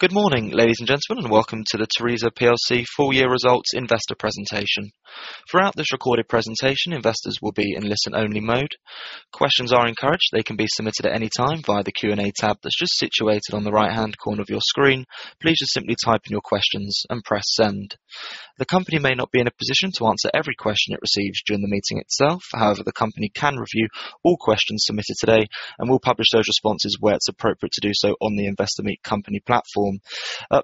Good morning, ladies and gentlemen, and welcome to the Tharisa plc full year results investor presentation. Throughout this recorded presentation, investors will be in listen-only mode. Questions are encouraged. They can be submitted at any time via the Q&A tab that's just situated on the right-hand corner of your screen. Please just simply type in your questions and press send. The company may not be in a position to answer every question it receives during the meeting itself. However, the company can review all questions submitted today and will publish those responses where it's appropriate to do so on the Investor Meet company platform.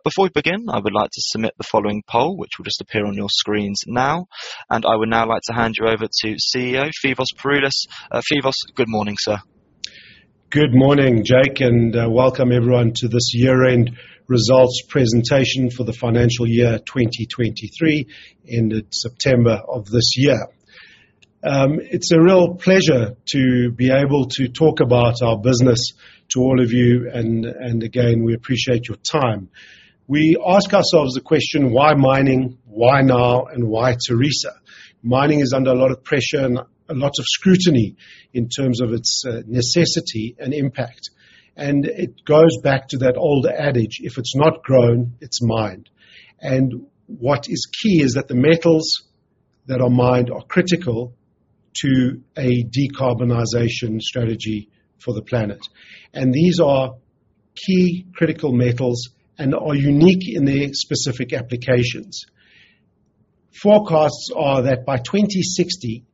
Before we begin, I would like to submit the following poll, which will just appear on your screens now, and I would now like to hand you over to CEO, Phoevos Pouroulis. Phoevos, good morning, sir. Good morning, Jake, and welcome everyone to this year-end results presentation for the financial year 2023, ended September of this year. It's a real pleasure to be able to talk about our business to all of you, and again, we appreciate your time. We ask ourselves the question: why mining, why now, and why Tharisa? Mining is under a lot of pressure and lots of scrutiny in terms of its necessity and impact, and it goes back to that old adage, if it's not grown, it's mined. And what is key is that the metals that are mined are critical to a decarbonization strategy for the planet, and these are key critical metals and are unique in their specific applications. Forecasts are that by 2060,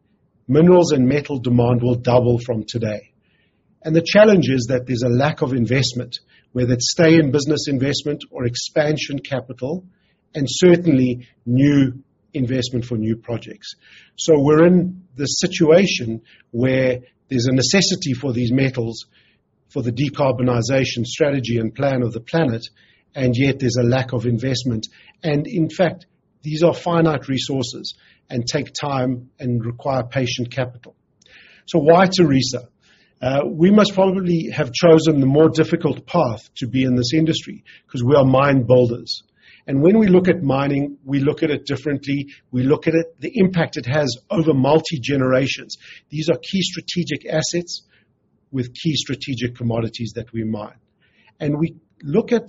minerals and metal demand will double from today. The challenge is that there's a lack of investment, whether it's Stay-in-Business investment or expansion capital, and certainly new investment for new projects. So we're in this situation where there's a necessity for these metals for the decarbonization strategy and plan of the planet, and yet there's a lack of investment. In fact, these are finite resources and take time and require patient capital. So why Tharisa? We must probably have chosen the more difficult path to be in this industry because we are mine builders. When we look at mining, we look at it differently. We look at it, the impact it has over multi-generations. These are key strategic assets with key strategic commodities that we mine. We look at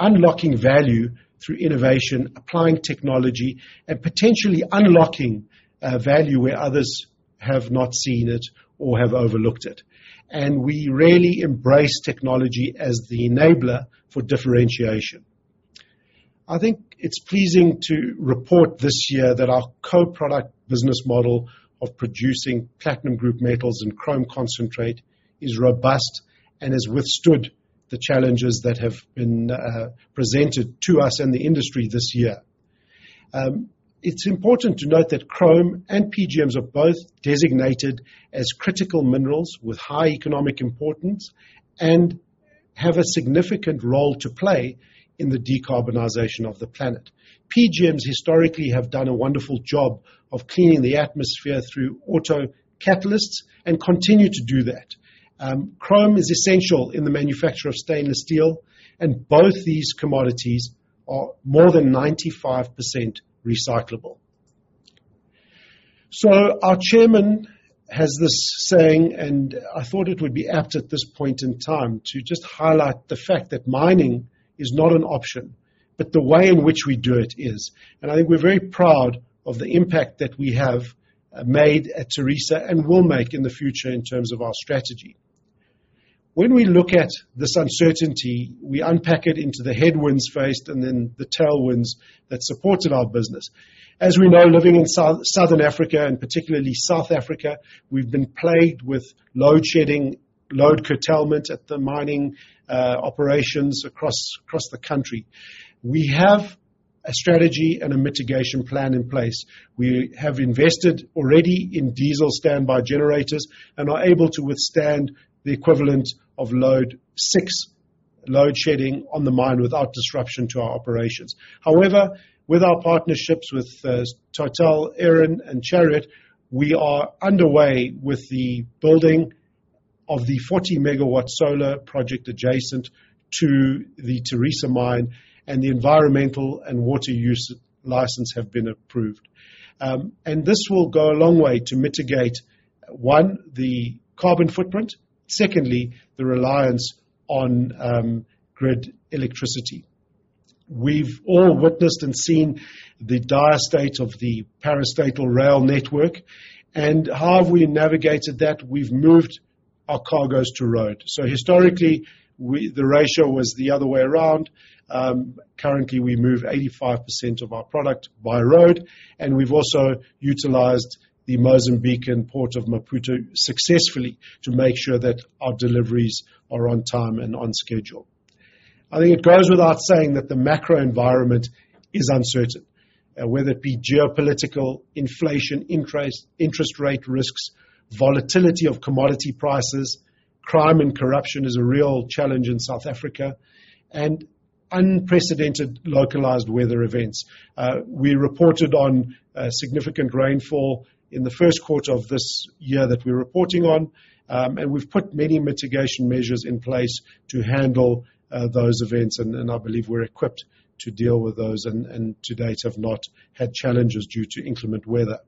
unlocking value through innovation, applying technology, and potentially unlocking value where others have not seen it or have overlooked it. We really embrace technology as the enabler for differentiation. I think it's pleasing to report this year that our co-product business model of producing platinum group metals and chrome concentrate is robust and has withstood the challenges that have been presented to us and the industry this year. It's important to note that chrome and PGMs are both designated as critical minerals with high economic importance and have a significant role to play in the decarbonization of the planet. PGMs historically have done a wonderful job of cleaning the atmosphere through auto catalysts and continue to do that. Chrome is essential in the manufacture of stainless steel, and both these commodities are more than 95% recyclable. So our chairman has this saying, and I thought it would be apt at this point in time to just highlight the fact that mining is not an option, but the way in which we do it is. And I think we're very proud of the impact that we have made at Tharisa and will make in the future in terms of our strategy. When we look at this uncertainty, we unpack it into the headwinds faced and then the tailwinds that supported our business. As we know, living in southern Africa, and particularly South Africa, we've been plagued with load shedding, load curtailment at the mining operations across the country. We have a strategy and a mitigation plan in place. We have invested already in diesel standby generators and are able to withstand the equivalent of load 6 load shedding on the mine without disruption to our operations. However, with our partnerships with Total Eren and Chariot, we are underway with the building of the 40 MW solar project adjacent to the Tharisa Mine, and the environmental and water use license have been approved. And this will go a long way to mitigate, one, the carbon footprint, secondly, the reliance on grid electricity. We've all witnessed and seen the dire state of the parastatal rail network, and how have we navigated that? We've moved our cargos to road. So historically, we the ratio was the other way around. Currently, we move 85% of our product by road, and we've also utilized the Mozambican Port of Maputo successfully to make sure that our deliveries are on time and on schedule. I think it goes without saying that the macro environment is uncertain, whether it be geopolitical, inflation, interest rate risks, volatility of commodity prices. Crime and corruption is a real challenge in South Africa, and unprecedented localized weather events. We reported on significant rainfall in the first quarter of this year that we're reporting on. And we've put many mitigation measures in place to handle those events, and I believe we're equipped to deal with those and to date have not had challenges due to inclement weather.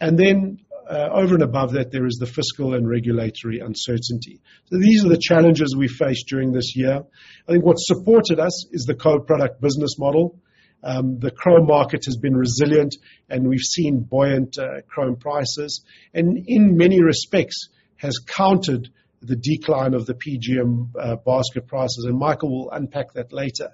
And then, over and above that, there is the fiscal and regulatory uncertainty. These are the challenges we faced during this year. I think what supported us is the co-product business model. The chrome market has been resilient, and we've seen buoyant chrome prices, and in many respects has countered the decline of the PGM basket prices, and Michael will unpack that later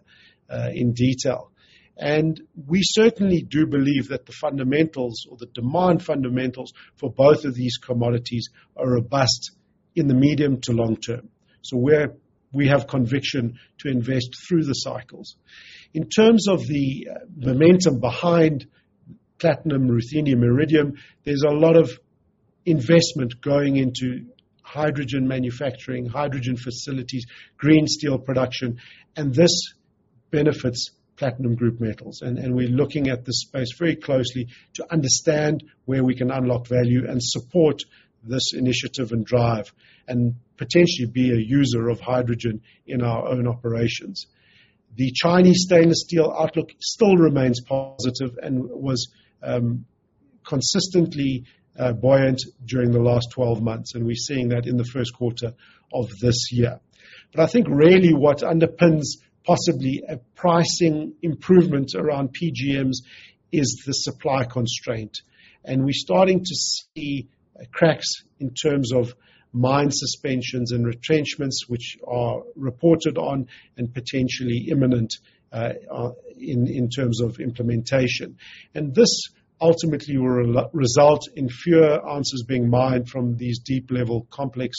in detail. We certainly do believe that the fundamentals or the demand fundamentals for both of these commodities are robust in the medium to long term. We have conviction to invest through the cycles. In terms of the momentum behind platinum, ruthenium, iridium, there's a lot of investment going into hydrogen manufacturing, hydrogen facilities, green steel production, and this benefits platinum group metals. We're looking at this space very closely to understand where we can unlock value and support this initiative and drive, and potentially be a user of hydrogen in our own operations. The Chinese stainless steel outlook still remains positive and was consistently buoyant during the last 12 months, and we're seeing that in the first quarter of this year. But I think really what underpins possibly a pricing improvement around PGMs is the supply constraint, and we're starting to see cracks in terms of mine suspensions and retrenchments, which are reported on and potentially imminent in terms of implementation. And this ultimately will result in fewer ounces being mined from these deep-level complex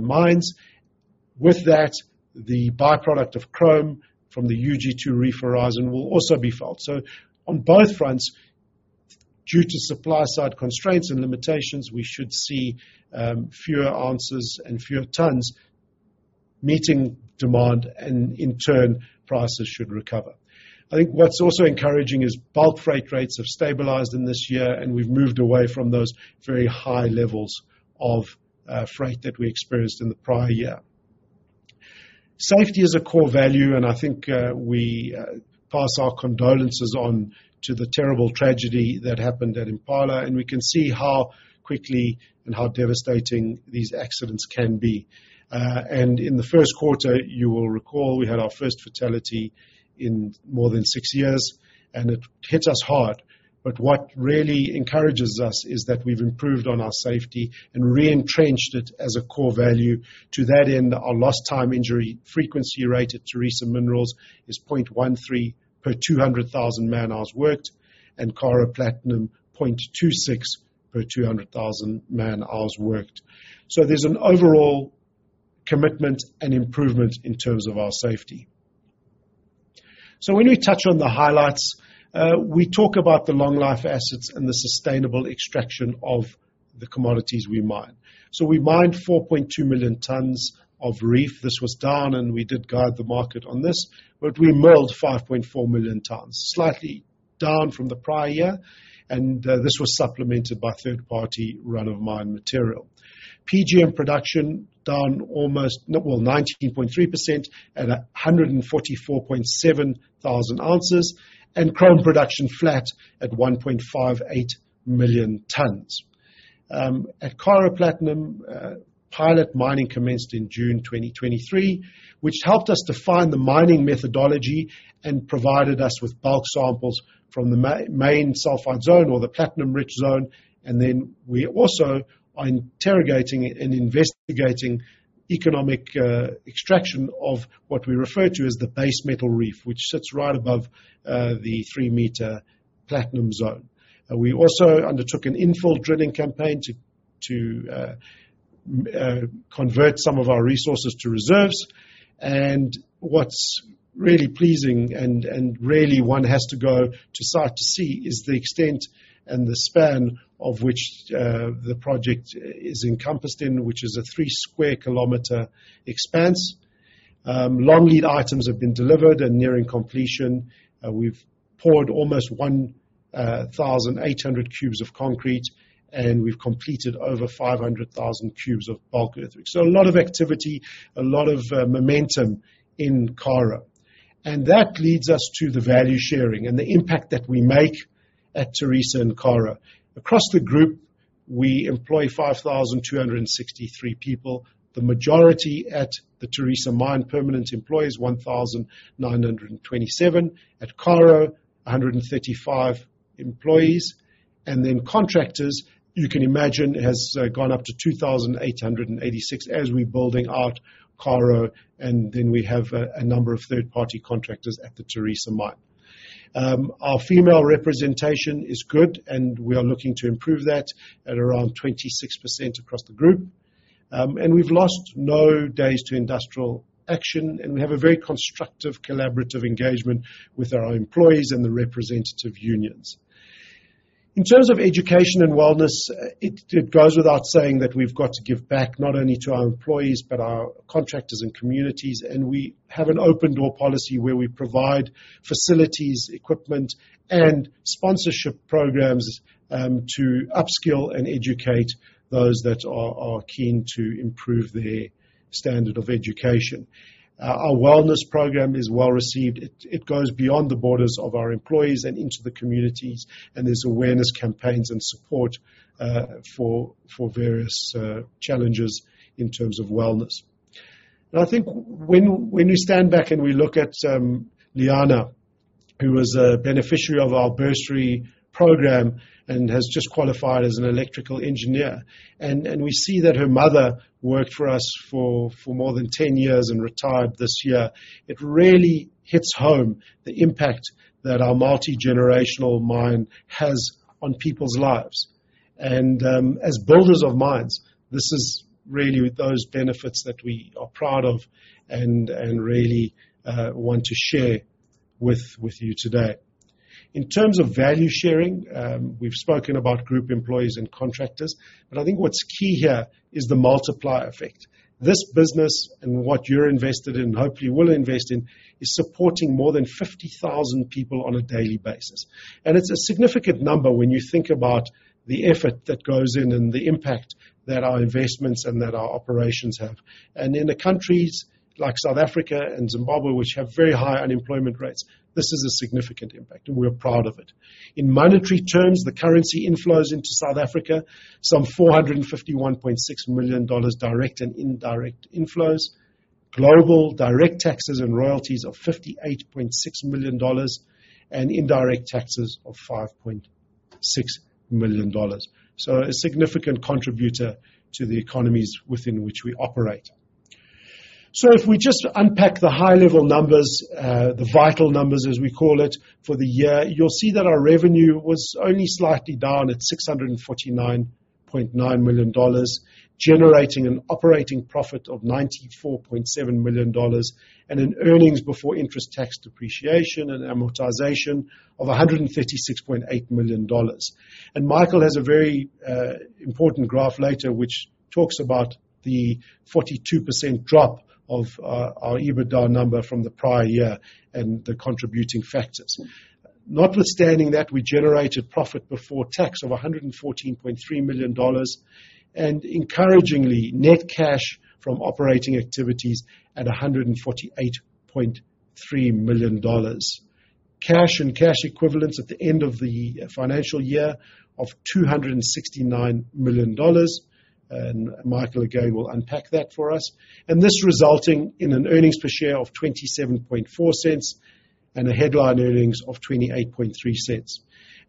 mines. With that, the by-product of chrome from the UG2 Reef horizon will also be felt. So on both fronts, due to supply-side constraints and limitations, we should see fewer ounces and fewer tons meeting demand, and in turn, prices should recover. I think what's also encouraging is bulk freight rates have stabilized in this year, and we've moved away from those very high levels of freight that we experienced in the prior year. Safety is a core value, and I think we pass our condolences on to the terrible tragedy that happened at Impala, and we can see how quickly and how devastating these accidents can be. And in the first quarter, you will recall we had our first fatality in more than six years, and it hit us hard. But what really encourages us is that we've improved on our safety and re-entrenched it as a core value. To that end, our lost time injury frequency rate at Tharisa Minerals is 0.13 per 200,000 man-hours worked, and Karo Platinum, 0.26 per 200,000 man-hours worked. So there's an overall commitment and improvement in terms of our safety. So when we touch on the highlights, we talk about the long-life assets and the sustainable extraction of the commodities we mine. So we mined 4,200,000 tonnes, slightly down from the prior year, and, this was supplemented by third-party run-of-mine material. PGM production down almost... Well, 19.3% at 144.7 thousand ounces, and chrome production flat at 1,580,000 tonnes. At Karo Platinum, pilot mining commenced in June 2023, which helped us define the mining methodology and provided us with bulk samples from the Main Sulphide Zone or the platinum-rich zone. Then we also are interrogating and investigating economic extraction of what we refer to as the Base Metal Reef, which sits right above the 3-meter platinum zone. We also undertook an infill drilling campaign to convert some of our resources to reserves. What's really pleasing and really one has to go to site to see is the extent and the span of which the project is encompassed in, which is a 3-square-kilometer expanse. Long-lead items have been delivered and nearing completion. We've poured almost 1,800 cubes of concrete, and we've completed over 500,000 cubes of bulk earthwork. So a lot of activity, a lot of momentum in Karo. And that leads us to the value sharing and the impact that we make at Tharisa and Karo. Across the group, we employ 5,263 people. The majority at the Tharisa Mine, permanent employees, 1,927. At Karo, 135 employees. And then contractors, you can imagine, has gone up to 2,886 as we're building out Karo, and then we have a number of third-party contractors at the Tharisa Mine. Our female representation is good, and we are looking to improve that at around 26% across the group. And we've lost no days to industrial action, and we have a very constructive, collaborative engagement with our employees and the representative unions. In terms of education and wellness, it goes without saying that we've got to give back not only to our employees, but our contractors and communities, and we have an open-door policy where we provide facilities, equipment, and sponsorship programs, to upskill and educate those that are keen to improve their standard of education. Our wellness program is well-received. It goes beyond the borders of our employees and into the communities, and there's awareness, campaigns, and support, for various challenges in terms of wellness. I think when you stand back and we look at Liana, who was a beneficiary of our bursary program and has just qualified as an electrical engineer, and we see that her mother worked for us for more than 10 years and retired this year, it really hits home the impact that our multi-generational mine has on people's lives. As builders of mines, this is really those benefits that we are proud of and really want to share with you today. In terms of value sharing, we've spoken about group employees and contractors, but I think what's key here is the multiplier effect. This business and what you're invested in, and hopefully will invest in, is supporting more than 50,000 people on a daily basis. It's a significant number when you think about the effort that goes in and the impact that our investments and that our operations have. In the countries like South Africa and Zimbabwe, which have very high unemployment rates, this is a significant impact, and we're proud of it. In monetary terms, the currency inflows into South Africa, some $451.,600,000, direct and indirect inflows. Global direct taxes and royalties of $58,600,000, and indirect taxes of $5,600,000. A significant contributor to the economies within which we operate. So if we just unpack the high-level numbers, the vital numbers, as we call it, for the year, you'll see that our revenue was only slightly down at $649,900,000, generating an operating profit of $94,700,000 and an earnings before interest, tax, depreciation, and amortization of $136,800,000. And Michael has a very, important graph later, which talks about the 42% drop of our EBITDA number from the prior year and the contributing factors. Notwithstanding that, we generated profit before tax of $114,300,000. And encouragingly, net cash from operating activities at $148,300,000. Cash and cash equivalents at the end of the financial year of $269,000,000, and Michael, again, will unpack that for us. This resulting in an earnings per share of $0.274 and a headline earnings of $0.283.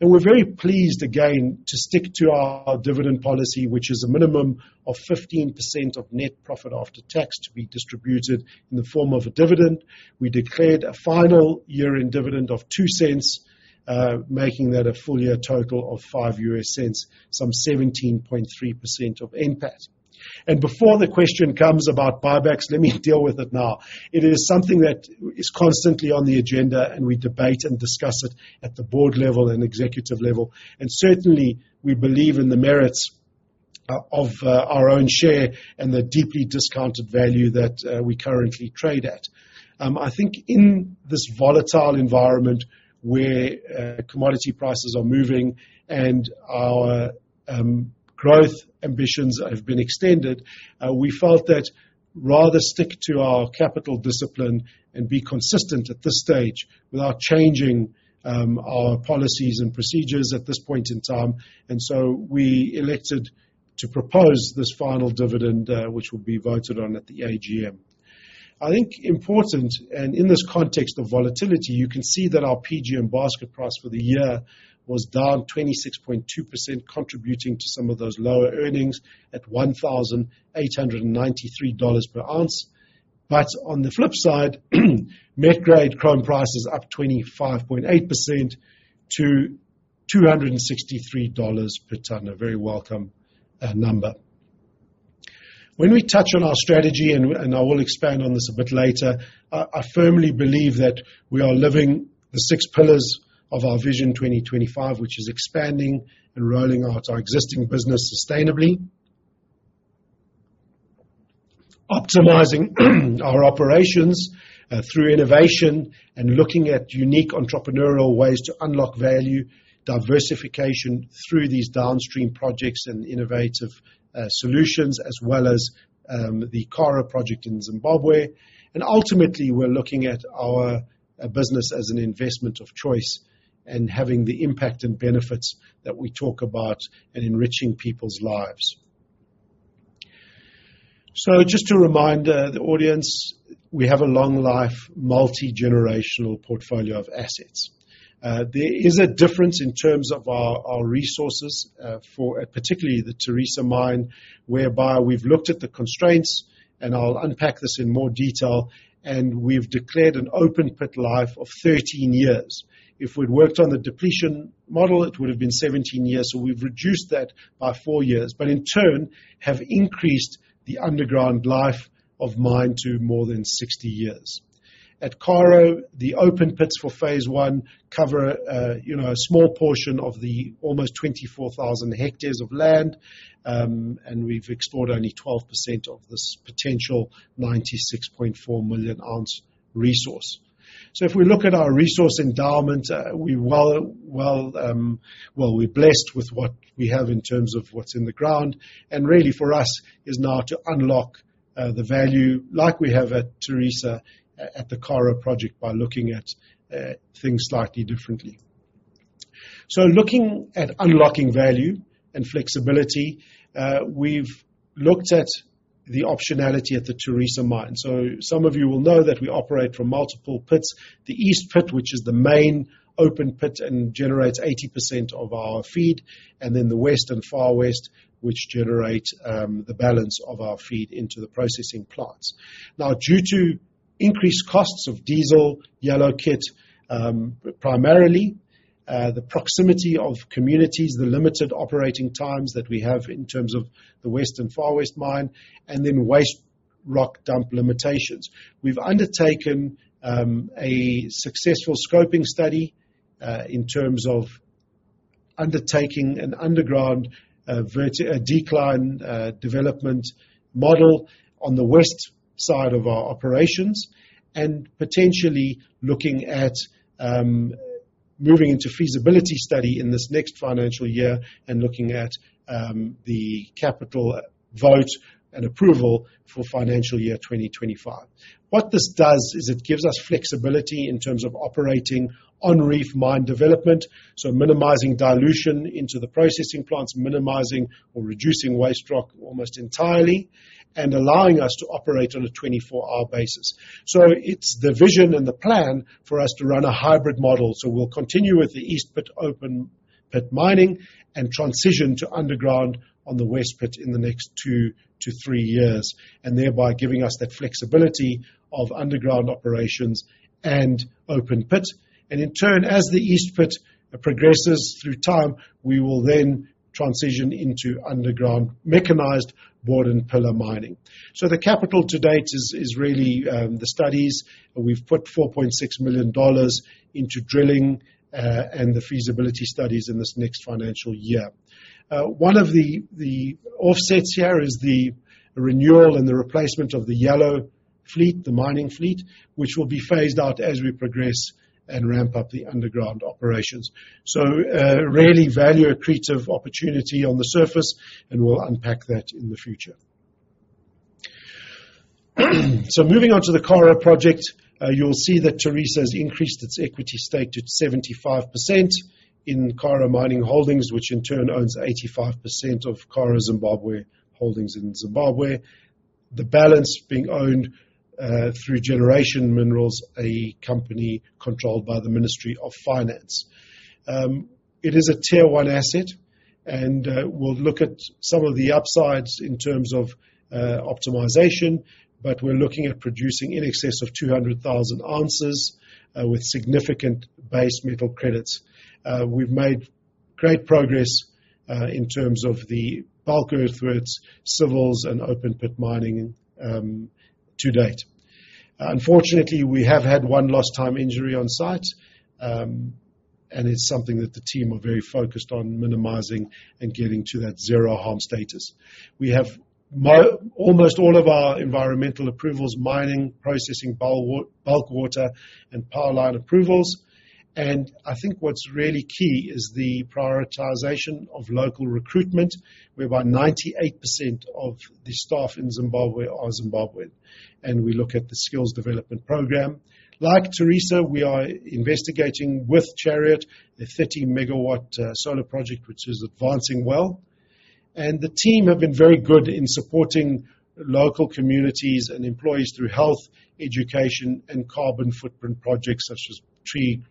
We're very pleased again, to stick to our dividend policy, which is a minimum of 15% of net profit after tax to be distributed in the form of a dividend. We declared a final year-end dividend of $0.02, making that a full-year total of $0.05, some 17.3% of NPAT. Before the question comes about buybacks, let me deal with it now. It is something that is constantly on the agenda, and we debate and discuss it at the board level and executive level. Certainly, we believe in the merits of our own share and the deeply discounted value that we currently trade at. I think in this volatile environment where commodity prices are moving and our growth ambitions have been extended, we felt that rather stick to our capital discipline and be consistent at this stage without changing our policies and procedures at this point in time. And so we elected to propose this final dividend, which will be voted on at the AGM. I think important, and in this context of volatility, you can see that our PGM basket price for the year was down 26.2%, contributing to some of those lower earnings at $1,893 per ounce. But on the flip side, met grade chrome price is up 25.8% to $263 per ton. A very welcome number. When we touch on our strategy, and I will expand on this a bit later, I firmly believe that we are living the six pillars of our Vision 2025, which is expanding and rolling out our existing business sustainably. Optimizing our operations through innovation and looking at unique entrepreneurial ways to unlock value, diversification through these downstream projects and innovative solutions, as well as the Karo Project in Zimbabwe. And ultimately, we're looking at our business as an investment of choice and having the impact and benefits that we talk about in enriching people's lives. So just to remind the audience, we have a long life, multi-generational portfolio of assets.... There is a difference in terms of our resources, particularly the Tharisa Mine, whereby we've looked at the constraints, and I'll unpack this in more detail, and we've declared an open-pit life of 13 years. If we'd worked on the depletion model, it would have been 17 years, so we've reduced that by 4 years, but in turn, have increased the underground life of mine to more than 60 years. At Karo, the open pits for phase one cover, you know, a small portion of the almost 24,000 hectares of land, and we've explored only 12% of this potential 96,400,000 ounce resource. So if we look at our resource endowment, we’re blessed with what we have in terms of what’s in the ground, and really for us, is now to unlock the value like we have at Tharisa, at the Karo project, by looking at things slightly differently. So looking at unlocking value and flexibility, we’ve looked at the optionality at the Tharisa Mine. So some of you will know that we operate from multiple pits. The East pit, which is the main open pit and generates 80% of our feed, and then the West and Far West, which generate the balance of our feed into the processing plants. Now, due to increased costs of diesel, yellow kit, primarily, the proximity of communities, the limited operating times that we have in terms of the West and Far West mine, and then waste rock dump limitations. We've undertaken a successful scoping study in terms of undertaking an underground vertical decline development model on the west side of our operations, and potentially looking at moving into feasibility study in this next financial year and looking at the capital vote and approval for financial year 2025. What this does is it gives us flexibility in terms of operating on-reef mine development, so minimizing dilution into the processing plants, minimizing or reducing waste rock almost entirely, and allowing us to operate on a 24-hour basis. So it's the vision and the plan for us to run a hybrid model. So we'll continue with the East pit open pit mining and transition to underground on the West pit in the next 2 years-3 years, and thereby giving us that flexibility of underground operations and open pit. And in turn, as the East pit progresses through time, we will then transition into underground, mechanized Bord and Pillar Mining. So the capital to date is, is really, the studies. We've put $4,6 into drilling, and the feasibility studies in this next financial year. One of the, the offsets here is the renewal and the replacement of the yellow fleet, the mining fleet, which will be phased out as we progress and ramp up the underground operations. So, really value accretive opportunity on the surface, and we'll unpack that in the future. So moving on to the Karo project, you'll see that Tharisa's increased its equity stake to 75% in Karo Mining Holdings, which in turn owns 85% of Karo Zimbabwe Holdings in Zimbabwe. The balance being owned through Generation Minerals, a company controlled by the Ministry of Finance. It is a tier-one asset, and we'll look at some of the upsides in terms of optimization, but we're looking at producing in excess of 200,000 ounces with significant base metal credits. We've made great progress in terms of the bulk earthworks, civils, and open-pit mining to date. Unfortunately, we have had one lost time injury on site, and it's something that the team are very focused on minimizing and getting to that zero-harm status. We have almost all of our environmental approvals, mining, processing, bulk water, and power line approvals. I think what's really key is the prioritization of local recruitment, whereby 98% of the staff in Zimbabwe are Zimbabwean, and we look at the skills development program. Like Tharisa, we are investigating with Chariot a 30-megawatt solar project, which is advancing well. The team have been very good in supporting local communities and employees through health, education, and carbon footprint projects such as tree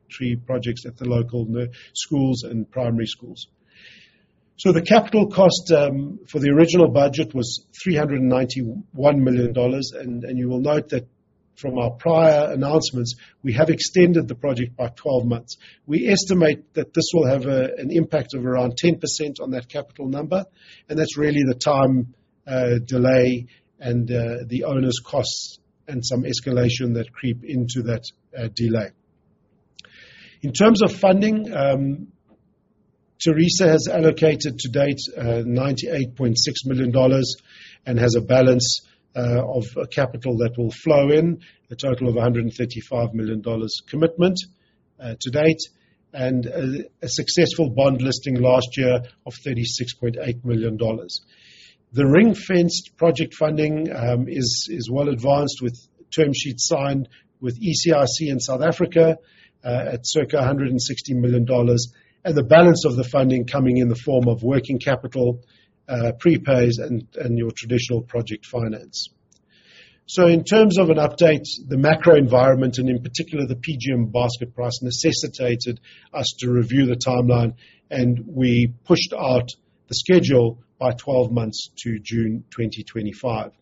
projects at the local schools and primary schools. So the capital cost for the original budget was $391,000,000, and you will note that from our prior announcements, we have extended the project by 12 months. We estimate that this will have an impact of around 10% on that capital number, and that's really the time delay and the owner's costs and some escalation that creep into that delay. In terms of funding, Tharisa has allocated to date $98,600,000 and has a balance of capital that will flow in, a total of $135,000,000 commitment to date, and a successful bond listing last year of $36,800,000. The ring-fenced project funding is well advanced with term sheets signed with ECIC in South Africa at circa $160,000,000, and the balance of the funding coming in the form of working capital, prepays and your traditional project finance. So in terms of an update, the macro environment, and in particular, the PGM basket price, necessitated us to review the timeline, and we pushed out the schedule by 12 months to June 2025.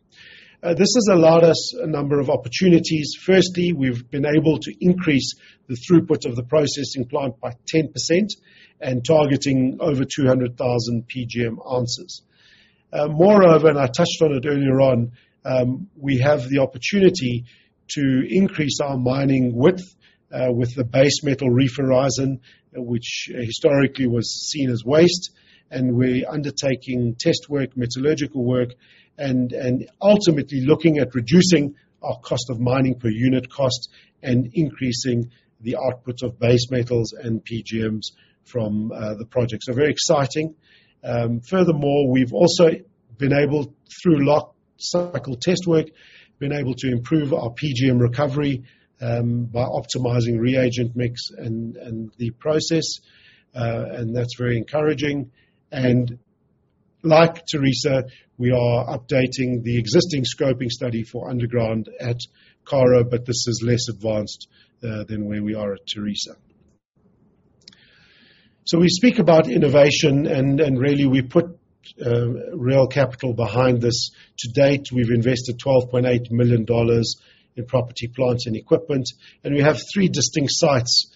This has allowed us a number of opportunities. Firstly, we've been able to increase the throughput of the processing plant by 10% and targeting over 200,000 PGM ounces. Moreover, and I touched on it earlier on, we have the opportunity to increase our mining width with the Base Metal Reef horizon, which historically was seen as waste, and we're undertaking test work, metallurgical work, and ultimately looking at reducing our cost of mining per unit cost and increasing the outputs of base metals and PGMs from the project. So very exciting. Furthermore, we've also been able, through lock cycle test work, to improve our PGM recovery by optimizing reagent mix and the process, and that's very encouraging. Like Tharisa, we are updating the existing scoping study for underground at Karo, but this is less advanced than where we are at Tharisa. So we speak about innovation and really we put real capital behind this. To date, we've invested $12,800,000 in property, plants, and equipment, and we have three distinct sites.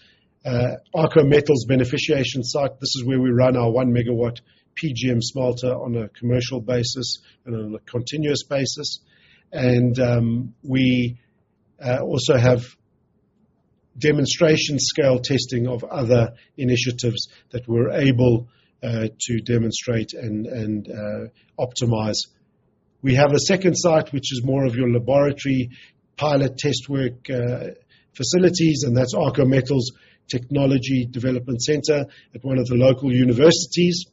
Arxo Metals beneficiation site, this is where we run our 1 MW PGM smelter on a commercial basis and on a continuous basis. We also have demonstration-scale testing of other initiatives that we're able to demonstrate and optimize. We have a second site, which is more of your laboratory pilot test work, facilities, and that's Arxo Metals Technology Development Center at one of the local universities.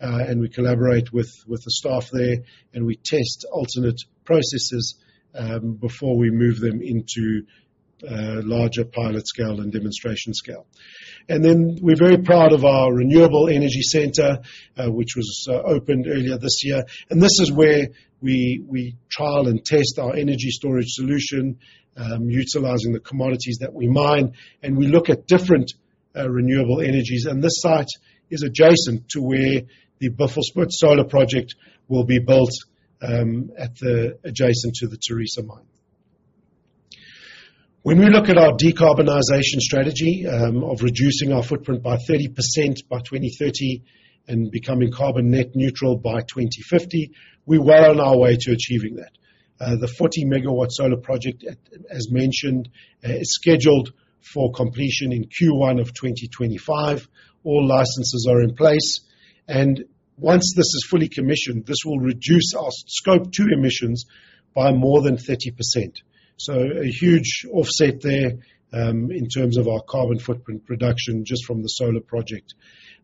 And we collaborate with, with the staff there, and we test alternate processes, before we move them into, larger pilot scale and demonstration scale. And then we're very proud of our Renewable Energy Center, which was, opened earlier this year. And this is where we, we trial and test our energy storage solution, utilizing the commodities that we mine, and we look at different, renewable energies. And this site is adjacent to where the Buffelspoort Solar Project will be built, at the-- adjacent to the Tharisa Mine. When we look at our decarbonization strategy, of reducing our footprint by 30% by 2030 and becoming carbon net neutral by 2050, we're well on our way to achieving that. The 40-MW solar project, as mentioned, is scheduled for completion in Q1 of 2025. All licenses are in place, and once this is fully commissioned, this will reduce our Scope 2 emissions by more than 30%. So a huge offset there, in terms of our carbon footprint production, just from the solar project.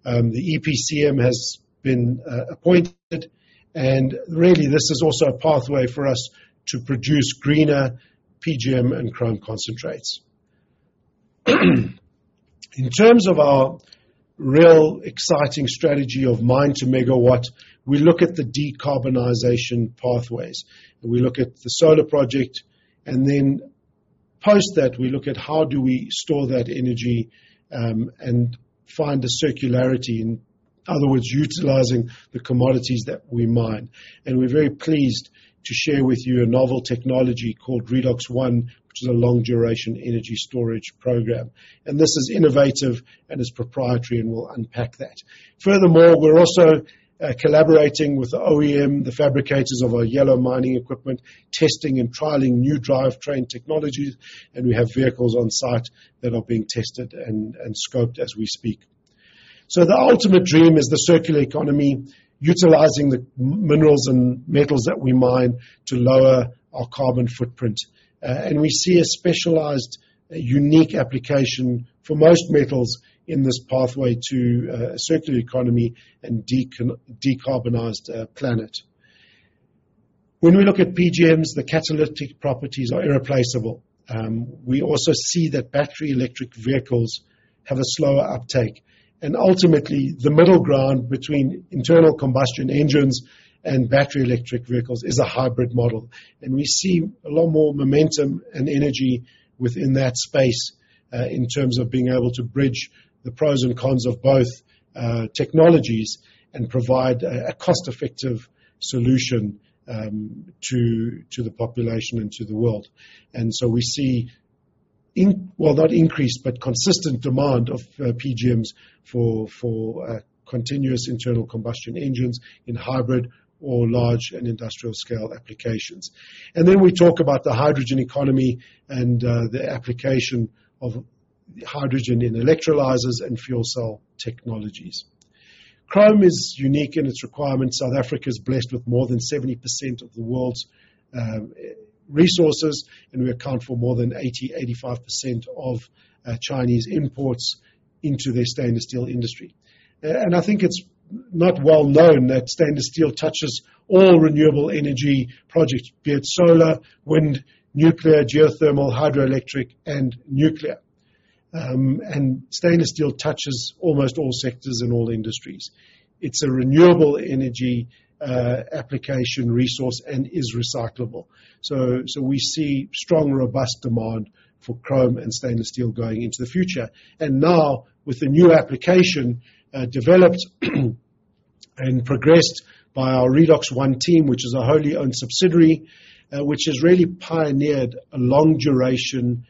The EPCM has been appointed, and really, this is also a pathway for us to produce greener PGM and chrome concentrates. In terms of our real exciting strategy of mine to megawatt, we look at the decarbonization pathways, and we look at the solar project, and then post that, we look at how do we store that energy, and find a circularity, in other words, utilizing the commodities that we mine. And we're very pleased to share with you a novel technology called Redox One, which is a long-duration energy storage program, and this is innovative and is proprietary, and we'll unpack that. Furthermore, we're also collaborating with OEM, the fabricators of our yellow mining equipment, testing and trialing new drivetrain technologies, and we have vehicles on site that are being tested and scoped as we speak. So the ultimate dream is the circular economy, utilizing the minerals and metals that we mine to lower our carbon footprint. And we see a specialized, unique application for most metals in this pathway to a circular economy and decarbonized planet. When we look at PGMs, the catalytic properties are irreplaceable. We also see that battery electric vehicles have a slower uptake, and ultimately, the middle ground between internal combustion engines and battery electric vehicles is a hybrid model. And we see a lot more momentum and energy within that space in terms of being able to bridge the pros and cons of both technologies and provide a cost-effective solution to the population and to the world. And so we see in well, not increased, but consistent demand of PGMs for continuous internal combustion engines in hybrid or large and industrial scale applications. And then we talk about the hydrogen economy and the application of hydrogen in electrolyzers and fuel cell technologies. Chrome is unique in its requirements. South Africa is blessed with more than 70% of the world's resources, and we account for more than 80, 85% of Chinese imports into their stainless steel industry. And I think it's not well known that stainless steel touches all renewable energy projects, be it solar, wind, nuclear, geothermal, hydroelectric, and nuclear, and stainless steel touches almost all sectors and all industries. It's a renewable energy application resource and is recyclable. So, so we see strong, robust demand for chrome and stainless steel going into the future. And now, with the new application developed and progressed by our Redox One team, which is a wholly owned subsidiary, which has really pioneered a long-duration,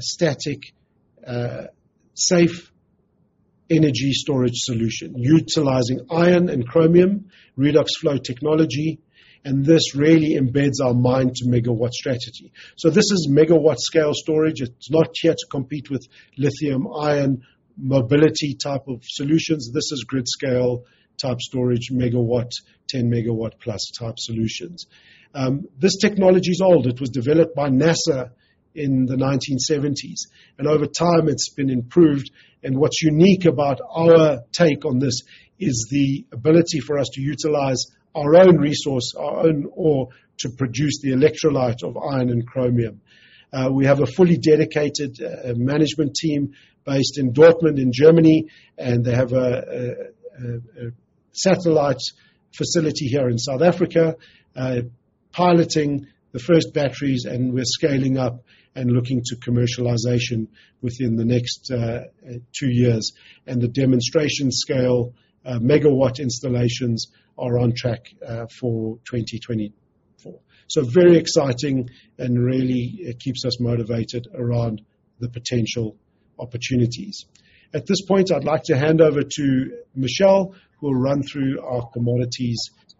static, safe energy storage solution utilizing iron and chromium redox flow technology, and this really embeds our mine-to-megawatt strategy. So this is megawatt-scale storage. It's not here to compete with lithium-ion mobility type of solutions. This is grid-scale type storage, megawatt, 10-megawatt-plus type solutions. This technology is old. It was developed by NASA in the 1970s, and over time, it's been improved, and what's unique about our take on this is the ability for us to utilize our own resource, our own ore, to produce the electrolyte of iron and chromium. We have a fully dedicated management team based in Dortmund, in Germany, and they have a satellite facility here in South Africa, piloting the first batteries, and we're scaling up and looking to commercialization within the next two years. The demonstration-scale megawatt installations are on track for 2024. So very exciting and really it keeps us motivated around the potential opportunities. At this point, I'd like to hand over to Michelle, who will run through our commodities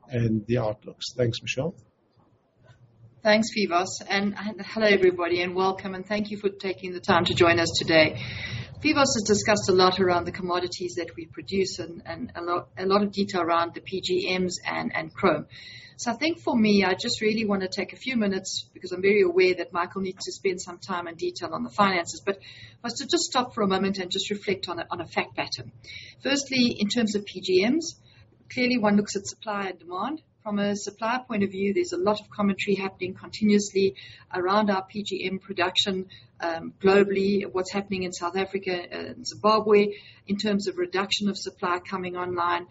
and the outlooks. Thanks, Michelle. Thanks, Phoevos. Hello, everybody, and welcome, and thank you for taking the time to join us today. Phoevos has discussed a lot around the commodities that we produce and a lot of detail around the PGMs and chrome. So I think for me, I just really wanna take a few minutes, because I'm very aware that Michael needs to spend some time and detail on the finances, but let's just stop for a moment and just reflect on a fact pattern. Firstly, in terms of PGMs, clearly, one looks at supply and demand. From a supply point of view, there's a lot of commentary happening continuously around our PGM production globally, what's happening in South Africa and Zimbabwe in terms of reduction of supply coming online.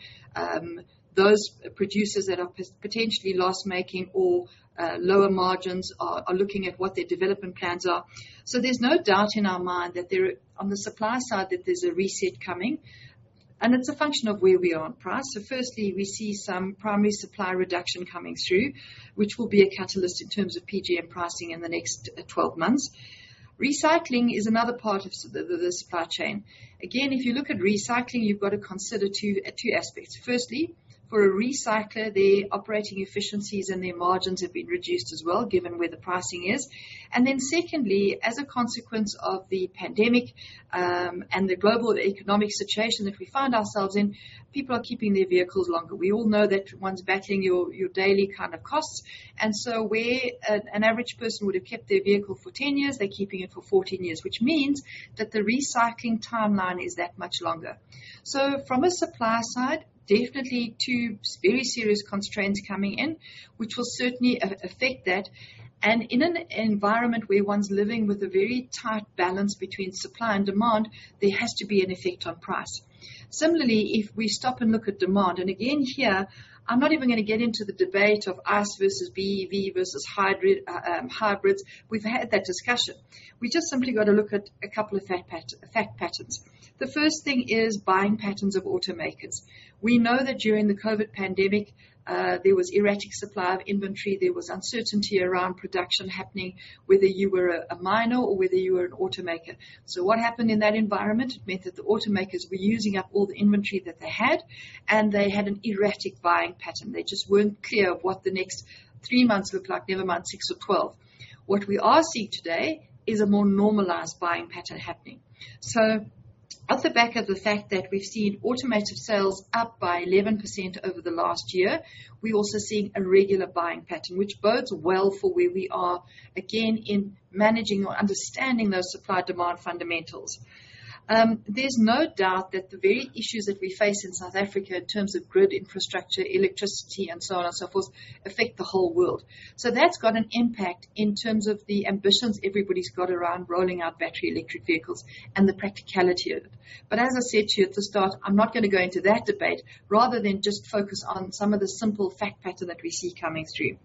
Those producers that are potentially loss-making or lower margins are looking at what their development plans are. So there's no doubt in our mind that on the supply side, there's a reset coming, and it's a function of where we are on price. So firstly, we see some primary supply reduction coming through, which will be a catalyst in terms of PGM pricing in the next 12 months. Recycling is another part of the supply chain. Again, if you look at recycling, you've got to consider two aspects. Firstly, for a recycler, their operating efficiencies and their margins have been reduced as well, given where the pricing is. And then secondly, as a consequence of the pandemic and the global economic situation that we find ourselves in, people are keeping their vehicles longer. We all know that one's battling your daily kind of costs, and so where an average person would have kept their vehicle for 10 years, they're keeping it for 14 years, which means that the recycling timeline is that much longer. So from a supply side, definitely two very serious constraints coming in, which will certainly affect that. And in an environment where one's living with a very tight balance between supply and demand, there has to be an effect on price. Similarly, if we stop and look at demand, and again here, I'm not even gonna get into the debate of ICE versus BEV versus hybrid, hybrids. We've had that discussion. We just simply got to look at a couple of fact patterns. The first thing is buying patterns of automakers. We know that during the COVID pandemic, there was erratic supply of inventory, there was uncertainty around production happening, whether you were a miner or whether you were an automaker. So what happened in that environment? It meant that the automakers were using up all the inventory that they had, and they had an erratic buying pattern. They just weren't clear of what the next three months looked like, never mind six or 12. What we are seeing today is a more normalized buying pattern happening. So off the back of the fact that we've seen automotive sales up by 11% over the last year, we're also seeing a regular buying pattern, which bodes well for where we are, again, in managing or understanding those supply-demand fundamentals. There's no doubt that the very issues that we face in South Africa in terms of grid infrastructure, electricity, and so on and so forth, affect the whole world. So that's got an impact in terms of the ambitions everybody's got around rolling out battery electric vehicles and the practicality of it. But as I said to you at the start, I'm not gonna go into that debate rather than just focus on some of the simple fact pattern that we see coming through.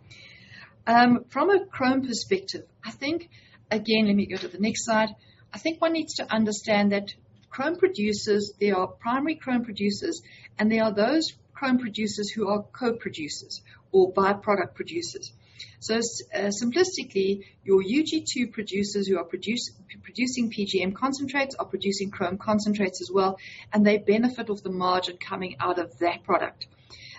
From a chrome perspective, I think... Again, let me go to the next slide. I think one needs to understand that chrome producers, there are primary chrome producers, and there are those chrome producers who are co-producers or byproduct producers. So, simplistically, your UG2 producers who are producing PGM concentrates are producing chrome concentrates as well, and they benefit of the margin coming out of that product.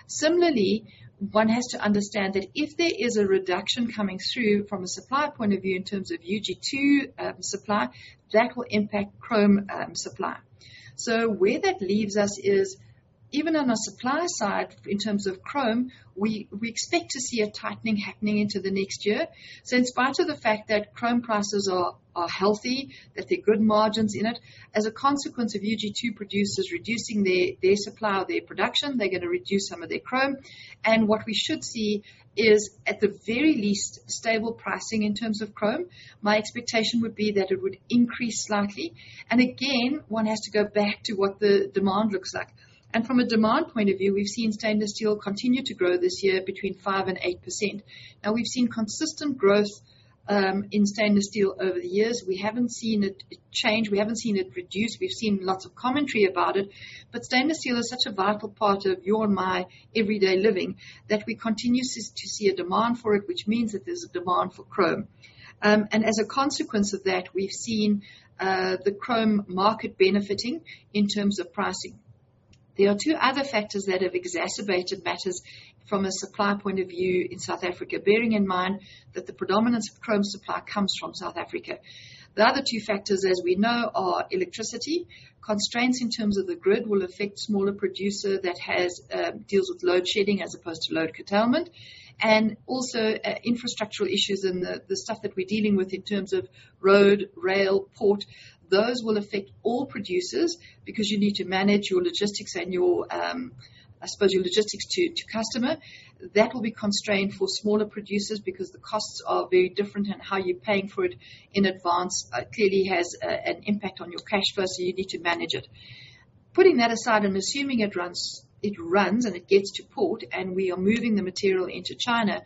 Similarly, one has to understand that if there is a reduction coming through from a supply point of view in terms of UG2 supply, that will impact chrome supply. So where that leaves us is, even on the supply side, in terms of chrome, we expect to see a tightening happening into the next year. So in spite of the fact that chrome prices are healthy, that there are good margins in it as a consequence of UG2 producers reducing their supply or their production, they're gonna reduce some of their chrome, and what we should see is, at the very least, stable pricing in terms of chrome. My expectation would be that it would increase slightly. Again, one has to go back to what the demand looks like. From a demand point of view, we've seen stainless steel continue to grow this year between 5% and 8%. Now, we've seen consistent growth in stainless steel over the years. We haven't seen it change. We haven't seen it reduce. We've seen lots of commentary about it, but stainless steel is such a vital part of your and my everyday living, that we continue to see a demand for it, which means that there's a demand for chrome. As a consequence of that, we've seen the chrome market benefiting in terms of pricing. There are two other factors that have exacerbated matters from a supply point of view in South Africa, bearing in mind that the predominance of chrome supply comes from South Africa. The other two factors, as we know, are electricity, constraints in terms of the grid will affect smaller producer that has deals with load shedding as opposed to load curtailment, and also infrastructural issues and the stuff that we're dealing with in terms of road, rail, port. Those will affect all producers because you need to manage your logistics and your, I suppose, your logistics to customer. That will be constrained for smaller producers because the costs are very different and how you're paying for it in advance clearly has an impact on your cash flow, so you need to manage it. Putting that aside and assuming it runs, it runs, and it gets to port, and we are moving the material into China,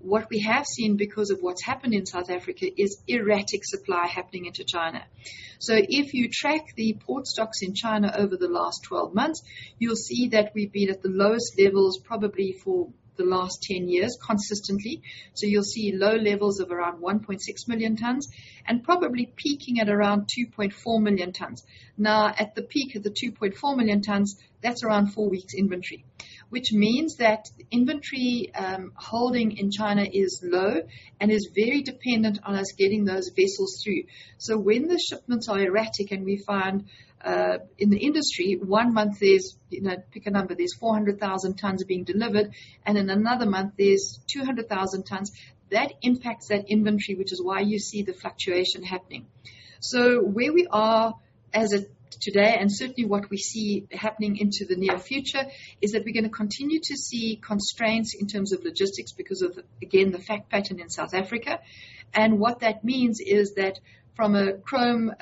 what we have seen because of what's happened in South Africa is erratic supply happening into China. So if you track the port stocks in China over the last 12 months, you'll see that we've been at the lowest levels, probably for the last 10 years, consistently. So you'll see low levels of around 1,600,000 tons, and probably peaking at around 2,400,000 tons. Now, at the peak of the 2,400,000 tons, that's around 4 weeks inventory, which means that the inventory holding in China is low and is very dependent on us getting those vessels through. So when the shipments are erratic and we find in the industry, one month there's... You know, pick a number, there's 400,000 tons being delivered, and in another month there's 200,000 tons. That impacts that inventory, which is why you see the fluctuation happening. So where we are as of today, and certainly what we see happening into the near future, is that we're gonna continue to see constraints in terms of logistics because of, again, the fact pattern in South Africa. And what that means is that from a chrome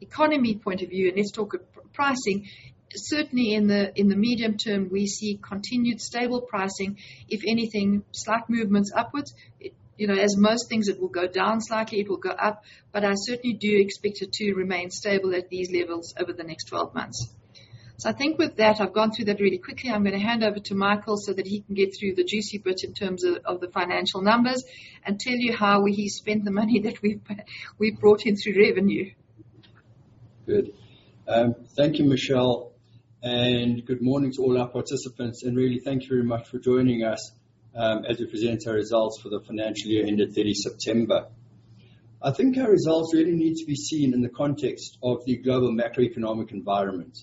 economy point of view, and let's talk of pricing, certainly in the medium term, we see continued stable pricing, if anything, slight movements upwards. It, you know, as most things, it will go down slightly, it will go up, but I certainly do expect it to remain stable at these levels over the next 12 months. So I think with that, I've gone through that really quickly. I'm gonna hand over to Michael so that he can get through the juicy bits in terms of the financial numbers and tell you how he spent the money that we brought in through revenue. Good. Thank you, Michelle, and good morning to all our participants, and really thank you very much for joining us, as we present our results for the financial year ended 30 September. I think our results really need to be seen in the context of the global macroeconomic environment.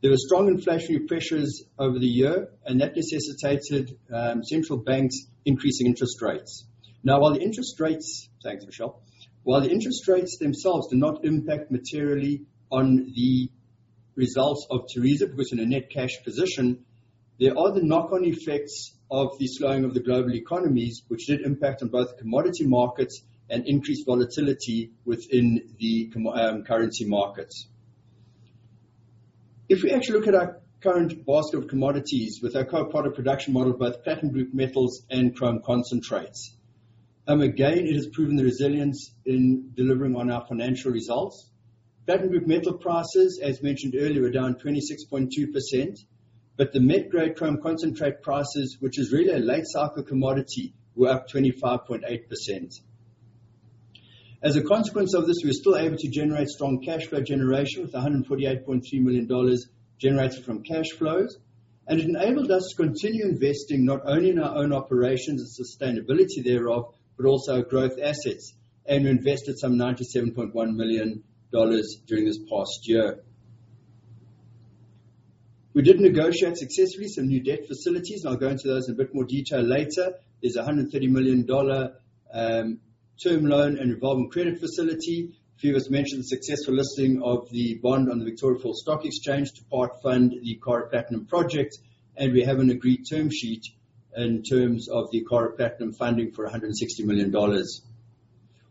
There were strong inflationary pressures over the year, and that necessitated central banks increasing interest rates. Now, while the interest rates... Thanks, Michelle. While the interest rates themselves do not impact materially on the results of Tharisa, which is in a net cash position, there are the knock-on effects of the slowing of the global economies, which did impact on both commodity markets and increased volatility within the currency markets. If we actually look at our current basket of commodities with our co-product production model, both platinum group metals and chrome concentrates, again, it has proven the resilience in delivering on our financial results. Platinum group metal prices, as mentioned earlier, were down 26.2%, but the mid-grade chrome concentrate prices, which is really a late cycle commodity, were up 25.8%. As a consequence of this, we were still able to generate strong cash flow generation with $148,300,000 generated from cash flows, and it enabled us to continue investing, not only in our own operations and sustainability thereof, but also growth assets, and we invested some $97,100,000 during this past year. We did negotiate successfully some new debt facilities, and I'll go into those in a bit more detail later. There's a $130,000,000 term loan and revolving credit facility. A few of us mentioned the successful listing of the bond on the Victoria Falls Stock Exchange to part-fund the Karo Platinum project, and we have an agreed term sheet in terms of the Karo Platinum funding for a $160,000,000.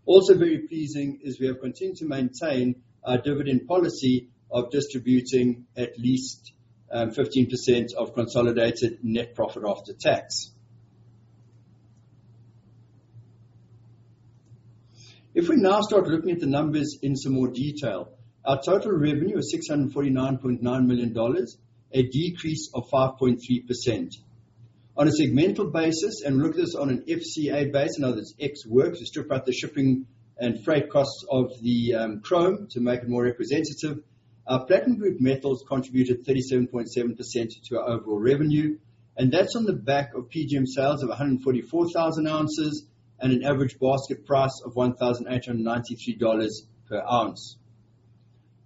Also very pleasing is we have continued to maintain our dividend policy of distributing at least 15% of consolidated net profit after tax. If we now start looking at the numbers in some more detail, our total revenue was $649,900,000, a decrease of 5.3%. On a segmental basis, and look at this on an FCA base, now this ex works, we strip out the shipping and freight costs of the chrome to make it more representative. Our platinum group metals contributed 37.7% to our overall revenue, and that's on the back of PGM sales of 144,000 ounces and an average basket price of $1,893 per ounce.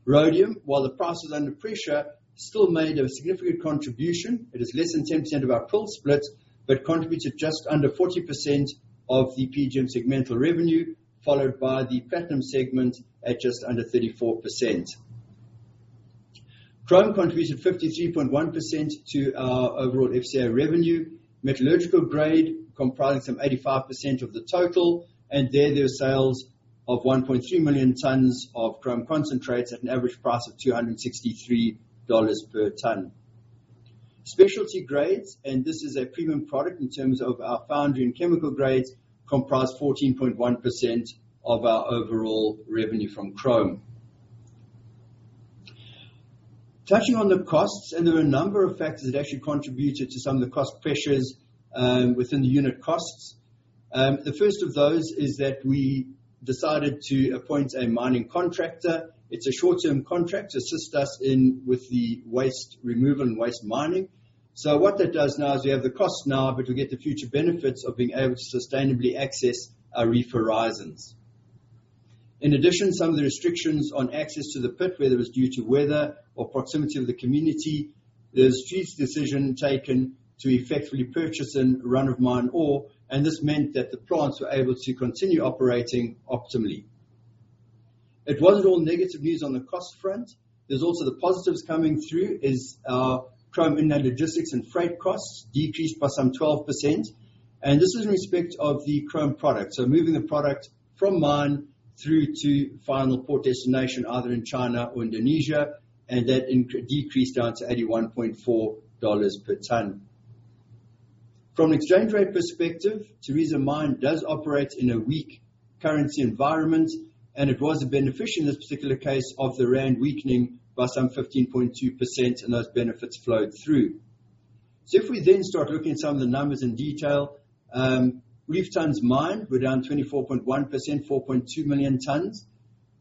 Rhodium, while the price was under pressure, still made a significant contribution. It is less than 10% of our pool split, but contributed just under 40% of the PGM segmental revenue, followed by the platinum segment at just under 34%.... Chrome contributed 53.1% to our overall FCA revenue. Metallurgical grade comprising some 85% of the total, and there were sales of 1,200,000 tons of chrome concentrates at an average price of $263 per ton. Specialty grades, and this is a premium product in terms of our foundry and chemical grades, comprised 14.1% of our overall revenue from chrome. Touching on the costs, there were a number of factors that actually contributed to some of the cost pressures within the unit costs. The first of those is that we decided to appoint a mining contractor. It's a short-term contract to assist us in with the waste removal and waste mining. So what that does now is we have the cost now, but we get the future benefits of being able to sustainably access our reef horizons. In addition, some of the restrictions on access to the pit, whether it was due to weather or proximity of the community, there's a strategic decision taken to effectively purchase and run-of-mine ore, and this meant that the plants were able to continue operating optimally. It wasn't all negative news on the cost front. There's also the positives coming through is, chrome inland logistics and freight costs decreased by some 12%, and this is in respect of the chrome product. So moving the product from mine through to final port destination, either in China or Indonesia, and that decreased down to $81.4 per ton. From an exchange rate perspective, Tharisa Mine does operate in a weak currency environment, and it was a beneficial in this particular case of the rand weakening by some 15.2%, and those benefits flowed through. So if we then start looking at some of the numbers in detail, reef tonnes mined were down 24.1%, 4,200,000n tonnes.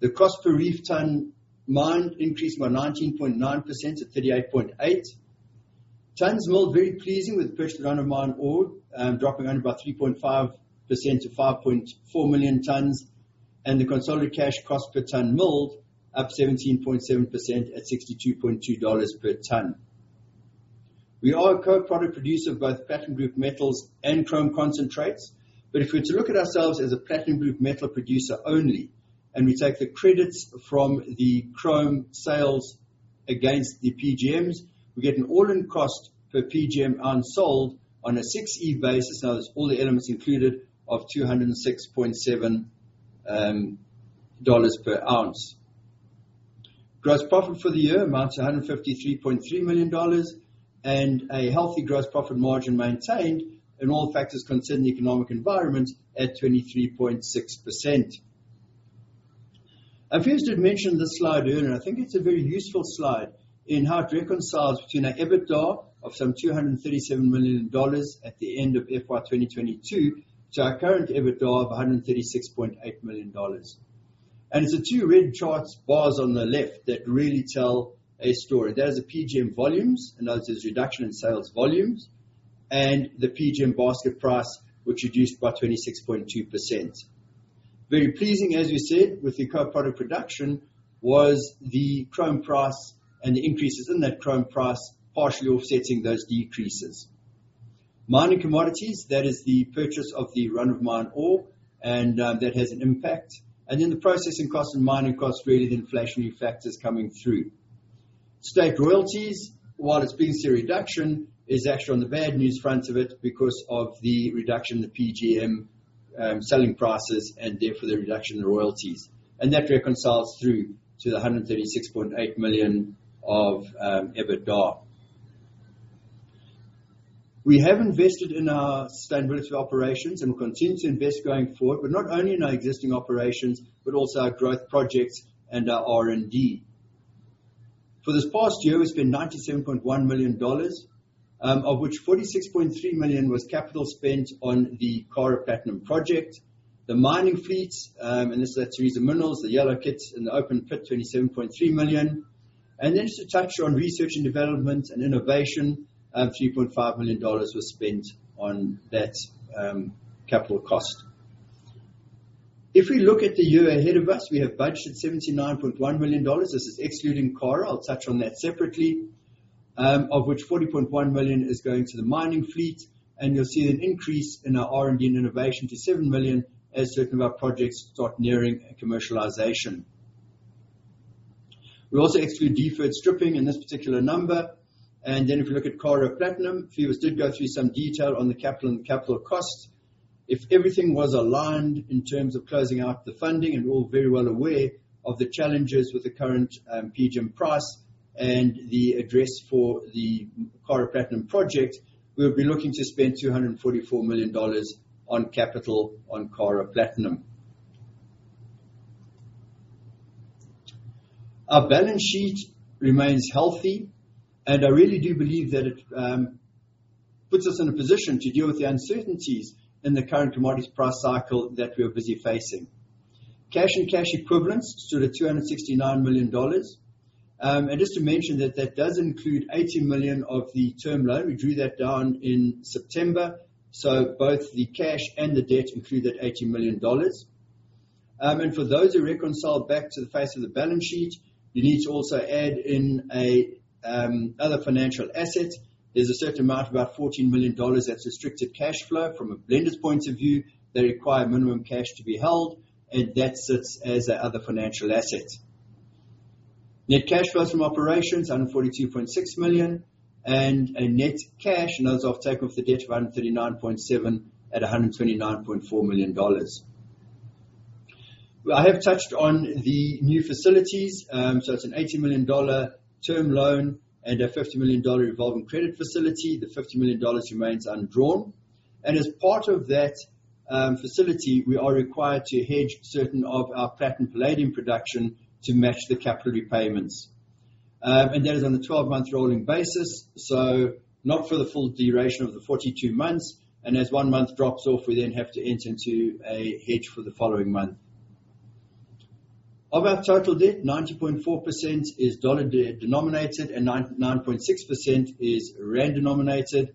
The cost per reef tonne mined increased by 19.9% to $38.8. Tonnes milled, very pleasing with purchased run-of-mine ore, dropping only about 3.5% to 5,400,000 tonnes, and the consolidated cash cost per tonne milled up 17.7% at $62.2 per tonne. We are a co-product producer of both platinum group metals and chrome concentrates. But if we're to look at ourselves as a platinum group metal producer only, and we take the credits from the chrome sales against the PGMs, we get an all-in cost per PGM ounce sold on a 6E basis, now there's all the elements included, of $206.7 per ounce. Gross profit for the year amounts to $153,300,000, and a healthy gross profit margin maintained in all factors concerning the economic environment at 23.6%. I first did mention this slide earlier, and I think it's a very useful slide in how to reconcile between our EBITDA of some $237,000,000 at the end of FY 2022, to our current EBITDA of $136,800,000. And it's the two red charts bars on the left that really tell a story. That is the PGM volumes, and that is reduction in sales volumes, and the PGM basket price, which reduced by 26.2%. Very pleasing, as we said, with the co-product production, was the chrome price and the increases in that chrome price, partially offsetting those decreases. Mining commodities, that is the purchase of the run-of-mine ore, and that has an impact. And then the processing cost and mining costs, really the inflationary factors coming through. State royalties, while it's been a reduction, is actually on the bad news front of it because of the reduction in the PGM selling prices and therefore the reduction in royalties, and that reconciles through to the $136,800,000 of EBITDA. We have invested in our sustainability operations and will continue to invest going forward, but not only in our existing operations, but also our growth projects and our R&D. For this past year, we spent $97,100,000, of which $46,300,000 was capital spent on the Karo Platinum project, the mining fleets, and this is at Tharisa Minerals, the yellow kits in the open pit, $27,300,000. Then just to touch on research and development and innovation, $3,500,000 was spent on that, capital cost. If we look at the year ahead of us, we have budgeted $79,100,000. This is excluding Karo. I'll touch on that separately, of which $40,100,000 is going to the mining fleet, and you'll see an increase in our R&D and innovation to $7,000,000 as certain of our projects start nearing commercialization. We also exclude deferred stripping in this particular number, and then if you look at Karo Platinum, Phoevos did go through some detail on the capital and capital costs. If everything was aligned in terms of closing out the funding, and we're all very well aware of the challenges with the current, PGM price and the address for the Karo Platinum project, we'll be looking to spend $244,000,000 on capital on Karo Platinum. Our balance sheet remains healthy, and I really do believe that it puts us in a position to deal with the uncertainties in the current commodities price cycle that we are busy facing. Cash and cash equivalents stood at $269,000,000. Just to mention that that does include $80,000,000 of the term loan. We drew that down in September, so both the cash and the debt include that $80,000,000. For those who reconcile back to the face of the balance sheet, you need to also add in a other financial asset. There's a certain amount, about $14,000,000, that's restricted cash flow from a lender's point of view. They require minimum cash to be held, and that sits as their other financial asset. Net cash flows from operations, $142,600,000, and a net cash and cash as of the take of the debt, $139,700,000 and $129,400,000. I have touched on the new facilities, so it's an $80,000,000 term loan and a $50,000,000 revolving credit facility. The $50,000,000 remains undrawn, and as part of that facility, we are required to hedge certain of our platinum palladium production to match the capital repayments. And that is on a 12-month rolling basis, so not for the full duration of the 42 months, and as one month drops off, we then have to enter into a hedge for the following month. Of our total debt, 90.4% is dollar-denominated and 9.6% is rand-denominated.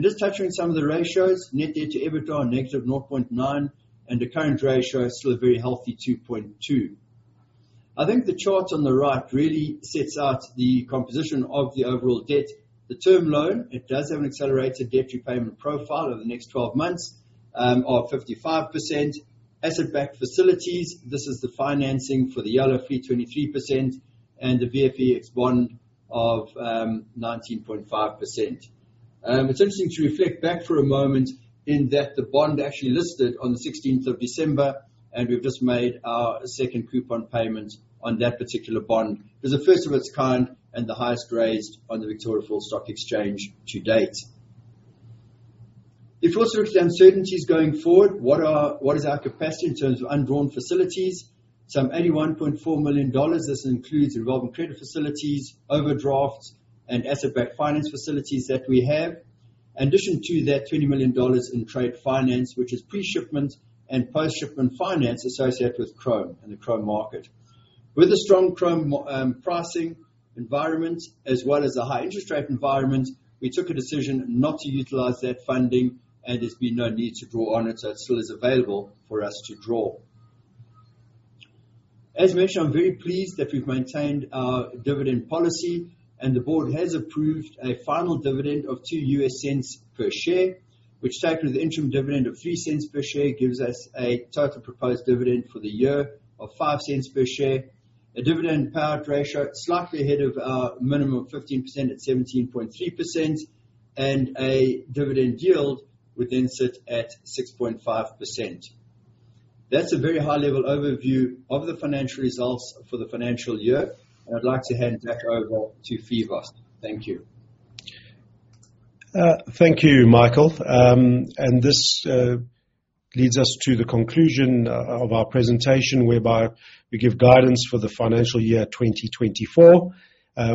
Just touching on some of the ratios, net debt to EBITDA -0.9, and the current ratio is still a very healthy 2.2. I think the chart on the right really sets out the composition of the overall debt. The term loan, it does have an accelerated debt repayment profile over the next twelve months of 55%. Asset-backed facilities, this is the financing for the yellow fleet, 23%, and the VFEX, it's one of 19.5%. It's interesting to reflect back for a moment in that the bond actually listed on the sixteenth of December, and we've just made our second coupon payment on that particular bond. It's the first of its kind and the highest raised on the Victoria Falls Stock Exchange to date. If we also look at the uncertainties going forward, what are... What is our capacity in terms of undrawn facilities? Some $81,400,000. This includes revolving credit facilities, overdrafts, and asset-backed finance facilities that we have. In addition to that, $20,000,000 in trade finance, which is pre-shipment and post-shipment finance associated with chrome and the chrome market. With a strong chrome pricing environment, as well as a high interest rate environment, we took a decision not to utilize that funding, and there's been no need to draw on it, so it still is available for us to draw. As mentioned, I'm very pleased that we've maintained our dividend policy, and the board has approved a final dividend of $0.02 per share, which, taken with the interim dividend of $0.03 per share, gives us a total proposed dividend for the year of $0.05 per share. A dividend payout ratio slightly ahead of our minimum of 15% at 17.3%, and a dividend yield would then sit at 6.5%. That's a very high-level overview of the financial results for the financial year, and I'd like to hand back over to Phoevos. Thank you. Thank you, Michael. This leads us to the conclusion of our presentation, whereby we give guidance for the financial year 2024.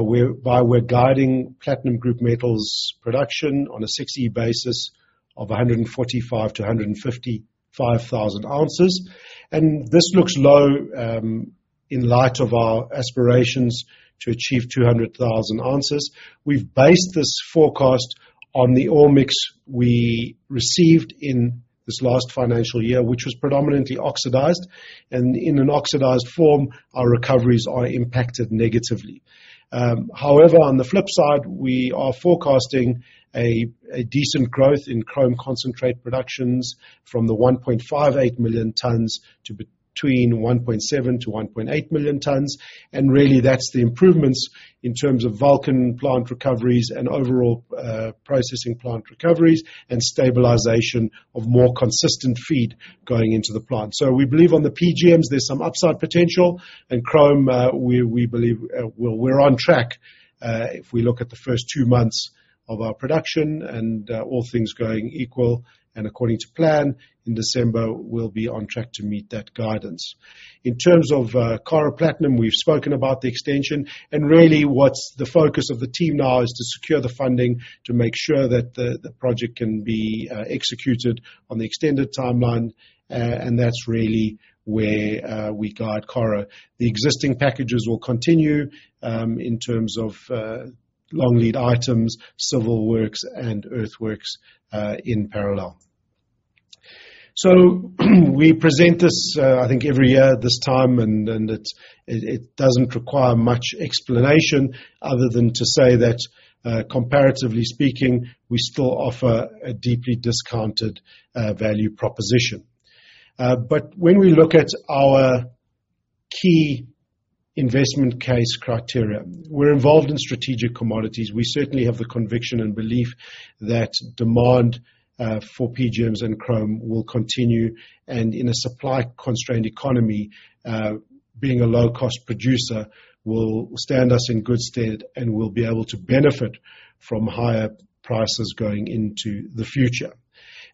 We're guiding platinum group metals production on a 6E basis of 145,000-155,000 ounces, and this looks low in light of our aspirations to achieve 200,000 ounces. We've based this forecast on the ore mix we received in this last financial year, which was predominantly oxidized, and in an oxidized form, our recoveries are impacted negatively. However, on the flip side, we are forecasting a decent growth in chrome concentrate productions from 1,580,000 tons to between 1,700,000 tons-1,800,000 tons. Really, that's the improvements in terms of Vulcan plant recoveries and overall, processing plant recoveries and stabilization of more consistent feed going into the plant. So we believe on the PGMs, there's some upside potential, and chrome, we believe, well, we're on track. If we look at the first two months of our production and, all things going equal and according to plan, in December, we'll be on track to meet that guidance. In terms of, Karo Platinum, we've spoken about the extension, and really what's the focus of the team now is to secure the funding to make sure that the, the project can be, executed on the extended timeline. And that's really where, we guide Karo. The existing packages will continue, in terms of, long lead items, civil works, and earthworks, in parallel. So we present this, I think every year at this time, and it doesn't require much explanation other than to say that, comparatively speaking, we still offer a deeply discounted value proposition. But when we look at our key investment case criteria, we're involved in strategic commodities. We certainly have the conviction and belief that demand for PGMs and chrome will continue, and in a supply-constrained economy, being a low-cost producer will stand us in good stead, and we'll be able to benefit from higher prices going into the future.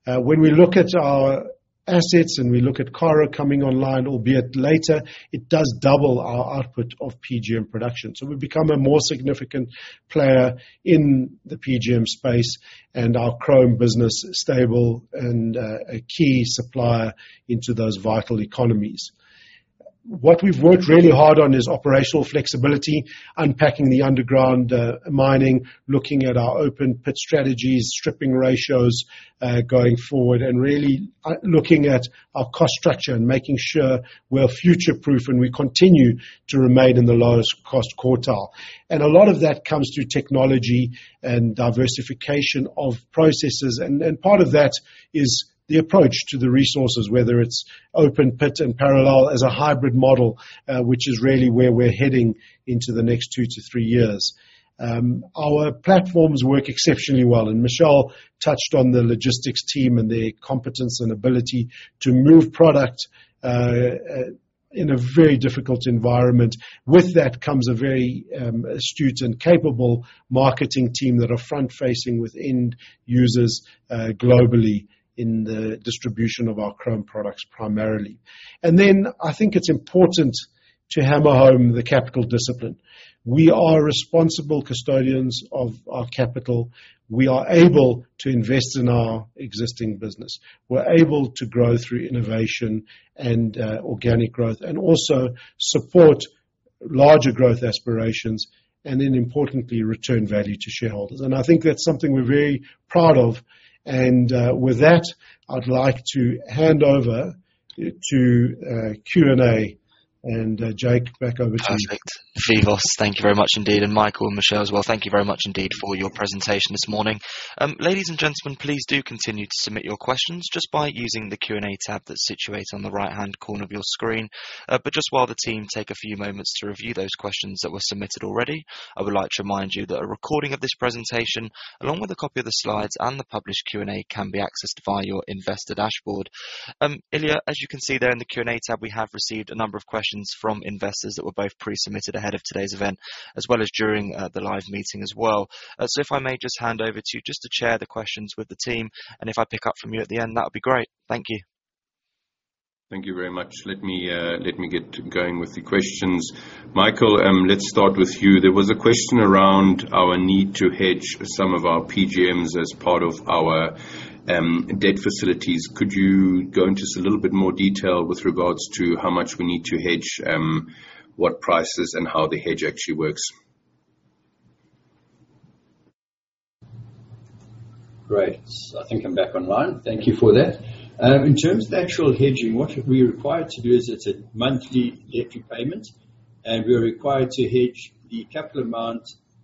When we look at our assets, and we look at Karo coming online, albeit later, it does double our output of PGM production. So we've become a more significant player in the PGM space and our chrome business stable and a key supplier into those vital economies. What we've worked really hard on is operational flexibility, unpacking the underground mining, looking at our open pit strategies, stripping ratios going forward, and really looking at our cost structure and making sure we're future-proof and we continue to remain in the lowest cost quartile. And a lot of that comes through technology and diversification of processes, and part of that is the approach to the resources, whether it's open pit and parallel as a hybrid model, which is really where we're heading into the next 2-3 years. Our platforms work exceptionally well, and Michelle touched on the logistics team and their competence and ability to move product in a very difficult environment. With that comes a very astute and capable marketing team that are front-facing with end users globally in the distribution of our chrome products, primarily. Then I think it's important to hammer home the capital discipline. We are responsible custodians of our capital. We are able to invest in our existing business. We're able to grow through innovation and organic growth, and also support larger growth aspirations, and then importantly, return value to shareholders. I think that's something we're very proud of, and with that, I'd like to hand over to Q&A, and Jake, back over to you. Perfect. Phoevos, thank you very much indeed, and Michael and Michelle as well. Thank you very much indeed for your presentation this morning. Ladies and gentlemen, please do continue to submit your questions just by using the Q&A tab that's situated on the right-hand corner of your screen. But just while the team take a few moments to review those questions that were submitted already, I would like to remind you that a recording of this presentation, along with a copy of the slides and the published Q&A, can be accessed via your investor dashboard. Ilja, as you can see there in the Q&A tab, we have received a number of questions from investors that were both pre-submitted ahead of today's event, as well as during the live meeting as well. If I may just hand over to you just to share the questions with the team, and if I pick up from you at the end, that would be great. Thank you. Thank you very much. Let me let me get going with the questions. Michael, let's start with you. There was a question around our need to hedge some of our PGMs as part of our debt facilities. Could you go into just a little bit more detail with regards to how much we need to hedge what prices, and how the hedge actually works? Great. I think I'm back online. Thank you for that. In terms of the actual hedging, what we're required to do is it's a monthly debt repayment, and we are required to hedge the capital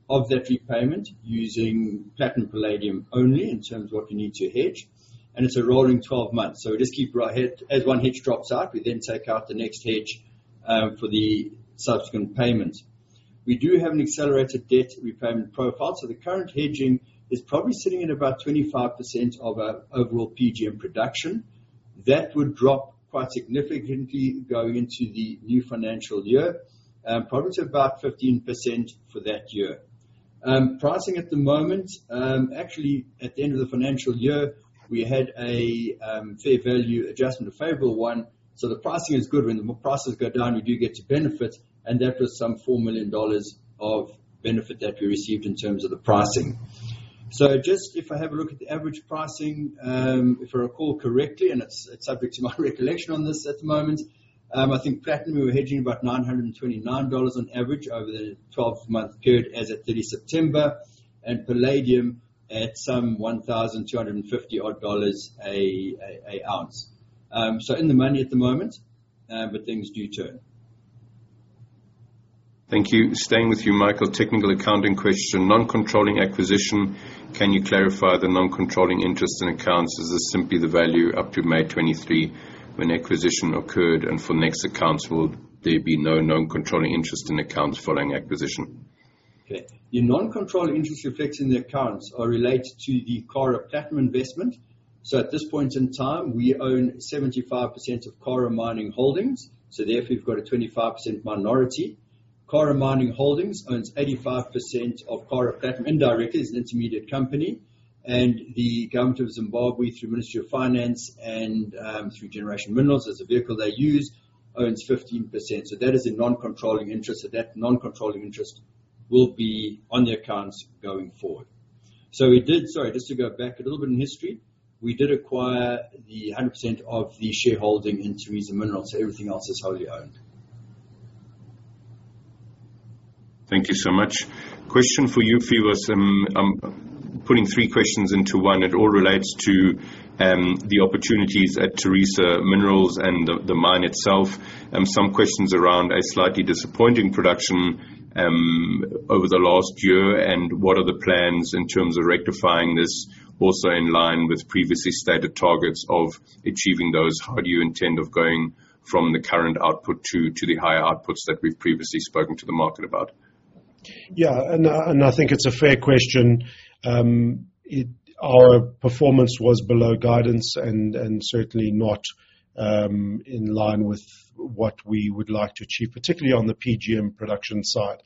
amount of that repayment using platinum palladium only, in terms of what you need to hedge, and it's a rolling 12 months. So we just keep right ahead. As one hedge drops out, we then take out the next hedge, for the subsequent payments. We do have an accelerated debt repayment profile, so the current hedging is probably sitting at about 25% of our overall PGM production. That would drop quite significantly going into the new financial year, probably to about 15% for that year. Pricing at the moment, actually, at the end of the financial year, we had a fair value adjustment, a favorable one, so the pricing is good. When the prices go down, you do get to benefit, and that was some $4,000,000 of benefit that we received in terms of the pricing. So just if I have a look at the average pricing, if I recall correctly, and it's subject to my recollection on this at the moment, I think platinum, we were hedging about $929 on average over the 12-month period, as at 30 September, and palladium at some $1,250 odd dollars an ounce. So in the money at the moment, but things do turn. Thank you. Staying with you, Michael, technical accounting question. Non-controlling acquisition, can you clarify the non-controlling interest in accounts? Is this simply the value up to May 2023 when acquisition occurred, and for next accounts, will there be no non-controlling interest in accounts following acquisition? Okay. Your non-controlling interest effects in the accounts are related to the Karo Platinum investment. So at this point in time, we own 75% of Karo Mining Holdings, so therefore, we've got a 25% minority. Karo Mining Holdings owns 85% of Karo Platinum indirectly as an intermediate company, and the government of Zimbabwe, through Ministry of Finance and, through Generation Minerals as a vehicle they use, owns 15%. So that is a non-controlling interest, so that non-controlling interest will be on the accounts going forward. So we did... Sorry, just to go back a little bit in history, we did acquire the 100% of the shareholding in Tharisa Minerals, so everything else is wholly owned. Thank you so much. Question for you, Phoevos. I'm putting three questions into one. It all relates to the opportunities at Tharisa Minerals and the mine itself, some questions around a slightly disappointing production over the last year, and what are the plans in terms of rectifying this, also in line with previously stated targets of achieving those? How do you intend of going from the current output to the higher outputs that we've previously spoken to the market about? Yeah, and I think it's a fair question. Our performance was below guidance and certainly not in line with what we would like to achieve, particularly on the PGM production side.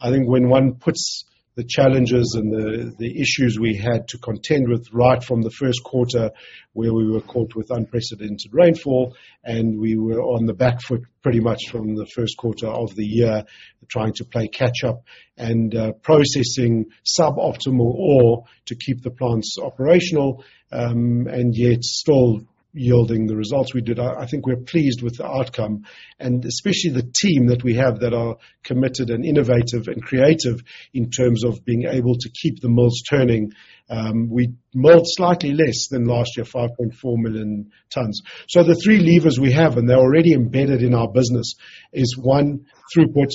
I think when one puts the challenges and the issues we had to contend with right from the first quarter, where we were caught with unprecedented rainfall, and we were on the back foot pretty much from the first quarter of the year, trying to play catch-up and processing sub-optimal ore to keep the plants operational, and yet still yielding the results we did. I think we're pleased with the outcome, and especially the team that we have that are committed, and innovative, and creative in terms of being able to keep the mills turning. We milled slightly less than last year, 5,400,000 tons. So the three levers we have, and they're already embedded in our business, is one, throughput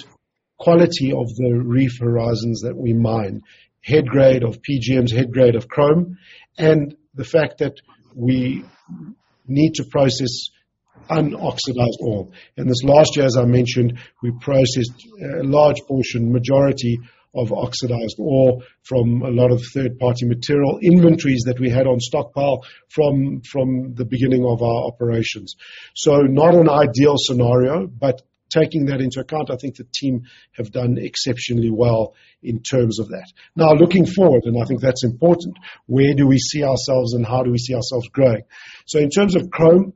quality of the reef horizons that we mine, headgrade of PGMs, headgrade of chrome, and the fact that we need to process unoxidized ore. And this last year, as I mentioned, we processed a large portion, majority of oxidized ore from a lot of third-party material inventories that we had on stockpile from the beginning of our operations. So not an ideal scenario, but taking that into account, I think the team have done exceptionally well in terms of that. Now, looking forward, and I think that's important, where do we see ourselves and how do we see ourselves growing? So in terms of chrome,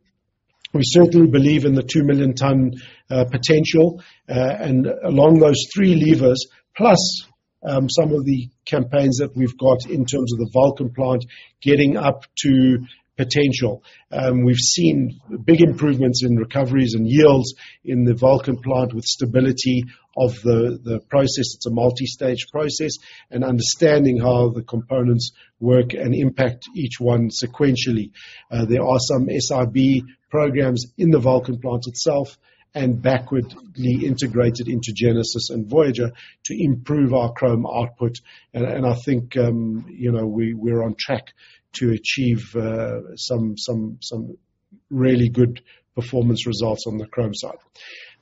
we certainly believe in the 2,000,000 ton potential, and along those three levers, plus some of the campaigns that we've got in terms of the Vulcan plant getting up to potential. We've seen big improvements in recoveries and yields in the Vulcan plant, with stability of the process. It's a multi-stage process, and understanding how the components work and impact each one sequentially. There are some SIB programs in the Vulcan plant itself, and backwardly integrated into Genesis and Voyager to improve our chrome output. And I think, you know, we're on track to achieve some really good performance results on the chrome side.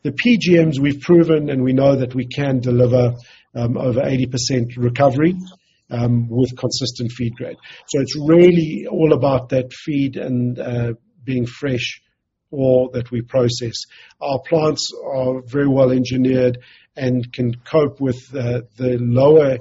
The PGMs, we've proven, and we know that we can deliver over 80% recovery with consistent feed grade. So it's really all about that feed and, being fresh ore that we process. Our plants are very well engineered and can cope with the lower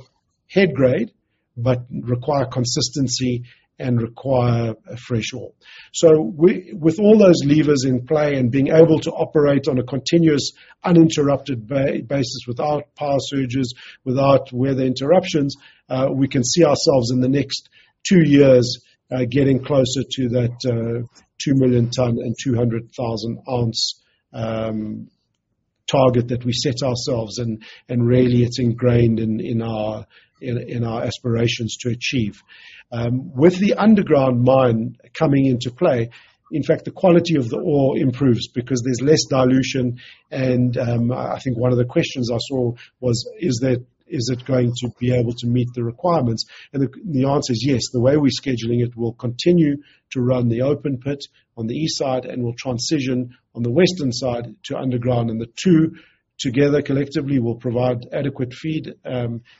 headgrade, but require consistency and require a fresh ore. So we with all those levers in play and being able to operate on a continuous, uninterrupted basis without power surges, without weather interruptions, we can see ourselves in the next 2 years, getting closer to that, 2,000,000 ton and 200,000 ounce target that we set ourselves, and really it's ingrained in our aspirations to achieve. With the underground mine coming into play, in fact, the quality of the ore improves because there's less dilution, and I think one of the questions I saw was: Is it going to be able to meet the requirements? And the answer is yes. The way we're scheduling it, we'll continue to run the open pit on the east side and we'll transition on the western side to underground, and the two together, collectively, will provide adequate feed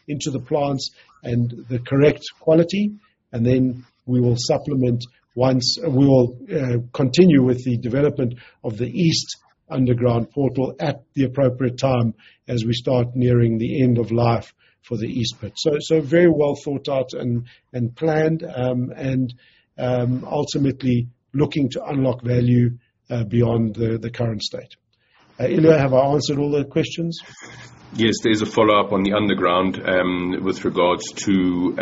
into the plants and the correct quality, and then we will supplement once. We will continue with the development of the east underground portal at the appropriate time as we start nearing the end of life for the east pit. So very well thought out and planned, ultimately looking to unlock value beyond the current state. Ilja, have I answered all the questions? Yes, there is a follow-up on the underground, with regards to,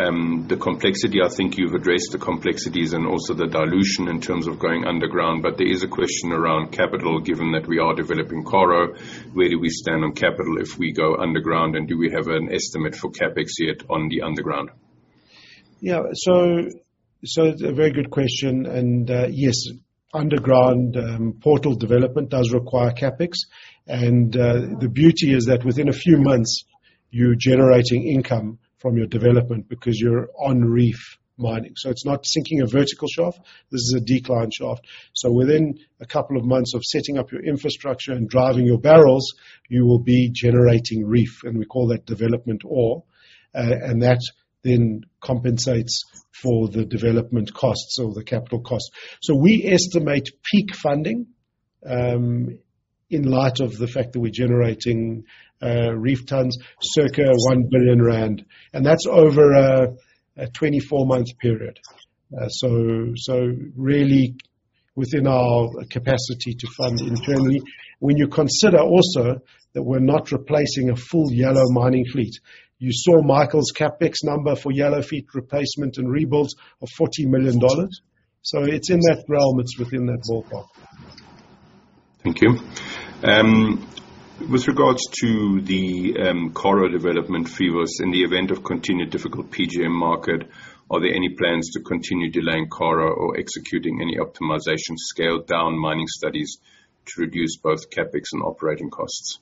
the complexity. I think you've addressed the complexities and also the dilution in terms of going underground, but there is a question around capital, given that we are developing Karo. Where do we stand on capital if we go underground, and do we have an estimate for CapEx yet on the underground? Yeah. So a very good question, and yes, underground portal development does require CapEx. And the beauty is that within a few months, you're generating income from your development because you're on reef mining. So it's not sinking a vertical shaft, this is a decline shaft. So within a couple of months of setting up your infrastructure and driving your barrels, you will be generating reef, and we call that development ore. And that then compensates for the development costs or the capital costs. So we estimate peak funding in light of the fact that we're generating reef tons, circa 1,000,000,000 rand, and that's over a 24-month period. So really within our capacity to fund internally. When you consider also that we're not replacing a full yellow mining fleet. You saw Michael's CapEx number for yellow fleet replacement and rebuilds of $40,000,000. So it's in that realm, it's within that ballpark. Thank you. With regards to the Karo development fee was in the event of continued difficult PGM market, are there any plans to continue delaying Karo or executing any optimization scaled-down mining studies to reduce both CapEx and operating costs?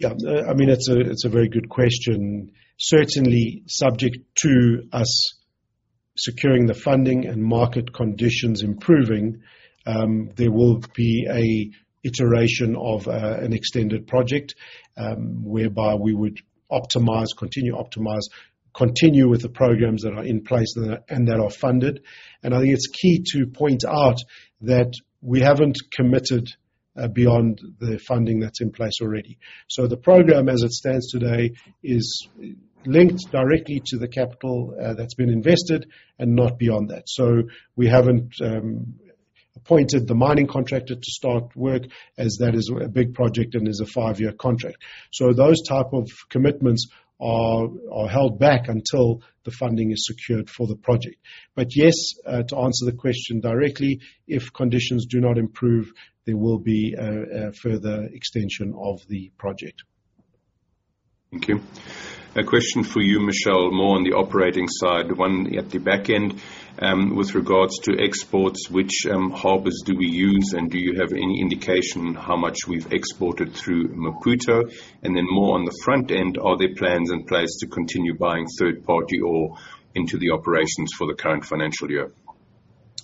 Yeah, I mean, it's a very good question. Certainly, subject to us securing the funding and market conditions improving, there will be an iteration of an extended project, whereby we would optimize, continue to optimize, continue with the programs that are in place and that, and that are funded. And I think it's key to point out that we haven't committed beyond the funding that's in place already. So the program, as it stands today, is linked directly to the capital that's been invested and not beyond that. So we haven't appointed the mining contractor to start work, as that is a big project and is a five-year contract. So those type of commitments are held back until the funding is secured for the project. But yes, to answer the question directly, if conditions do not improve, there will be a further extension of the project. Thank you. A question for you, Michelle, more on the operating side, one at the back end. With regards to exports, which harbors do we use, and do you have any indication how much we've exported through Maputo? And then more on the front end, are there plans in place to continue buying third-party ore into the operations for the current financial year? ...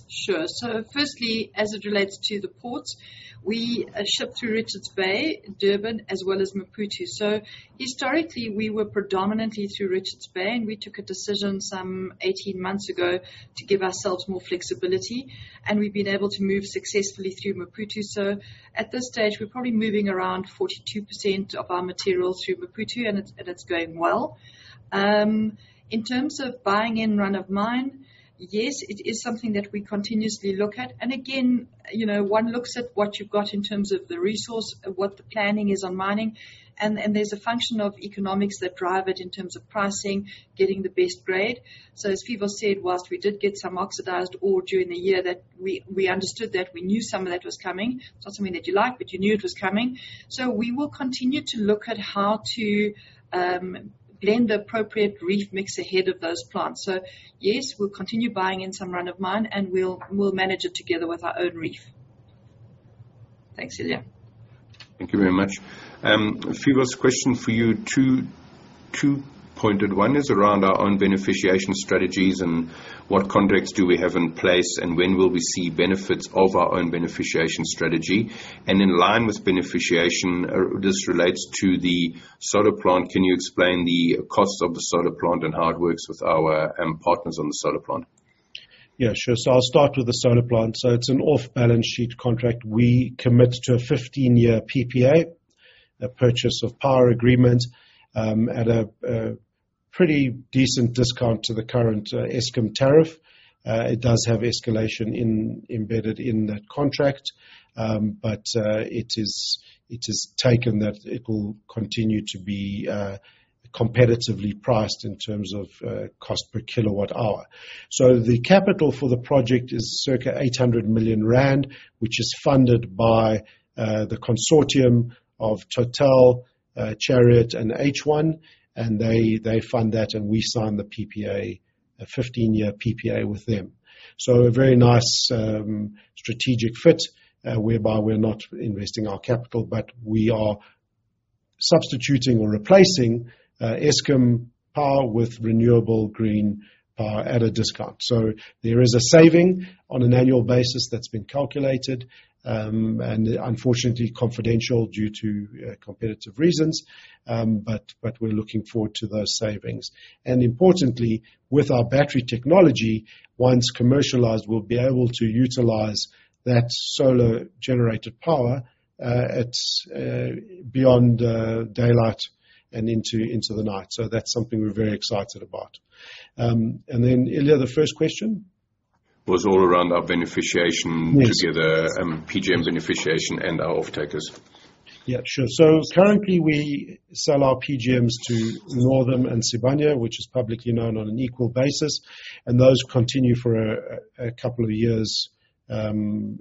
Sure. So firstly, as it relates to the ports, we ship through Richards Bay, Durban, as well as Maputo. So historically, we were predominantly through Richards Bay, and we took a decision some 18 months ago to give ourselves more flexibility, and we've been able to move successfully through Maputo. So at this stage, we're probably moving around 42% of our materials through Maputo, and it's going well. In terms of buying in run-of-mine, yes, it is something that we continuously look at. And again, you know, one looks at what you've got in terms of the resource, what the planning is on mining, and there's a function of economics that drive it in terms of pricing, getting the best grade. So as Phoevos said, whilst we did get some oxidized ore during the year, that we understood that. We knew some of that was coming. It's not something that you like, but you knew it was coming. So we will continue to look at how to blend the appropriate reef mix ahead of those plants. So yes, we'll continue buying in some run-of-mine, and we'll manage it together with our own reef. Thanks, Ilja. Thank you very much. Phoevos, question for you. 2, 2-pointed. 1 is around our own beneficiation strategies and what contracts do we have in place, and when will we see benefits of our own beneficiation strategy? And in line with beneficiation, this relates to the solar plant. Can you explain the cost of the solar plant and how it works with our partners on the solar plant? Yeah, sure. So I'll start with the solar plant. So it's an off-balance sheet contract. We commit to a 15-year PPA, a purchase of power agreement, at a pretty decent discount to the current Eskom tariff. It does have escalation embedded in that contract, but it is taken that it will continue to be competitively priced in terms of cost per kilowatt hour. So the capital for the project is circa 800,000,000 rand, which is funded by the consortium of Total, Chariot, and H1, and they fund that, and we sign the PPA, a 15-year PPA with them. So a very nice strategic fit, whereby we're not investing our capital, but we are substituting or replacing Eskom power with renewable green power at a discount. So there is a saving on an annual basis that's been calculated, and unfortunately confidential due to, competitive reasons, but, but we're looking forward to those savings. And importantly, with our battery technology, once commercialized, we'll be able to utilize that solar-generated power, at, beyond, daylight and into, into the night. So that's something we're very excited about. And then, Ilja, the first question? Was all around our beneficiation- Yes. - particularly the PGM beneficiation and our off-takers. Yeah, sure. So currently, we sell our PGMs to Northam and Sibanye, which is publicly known on an equal basis, and those continue for a couple of years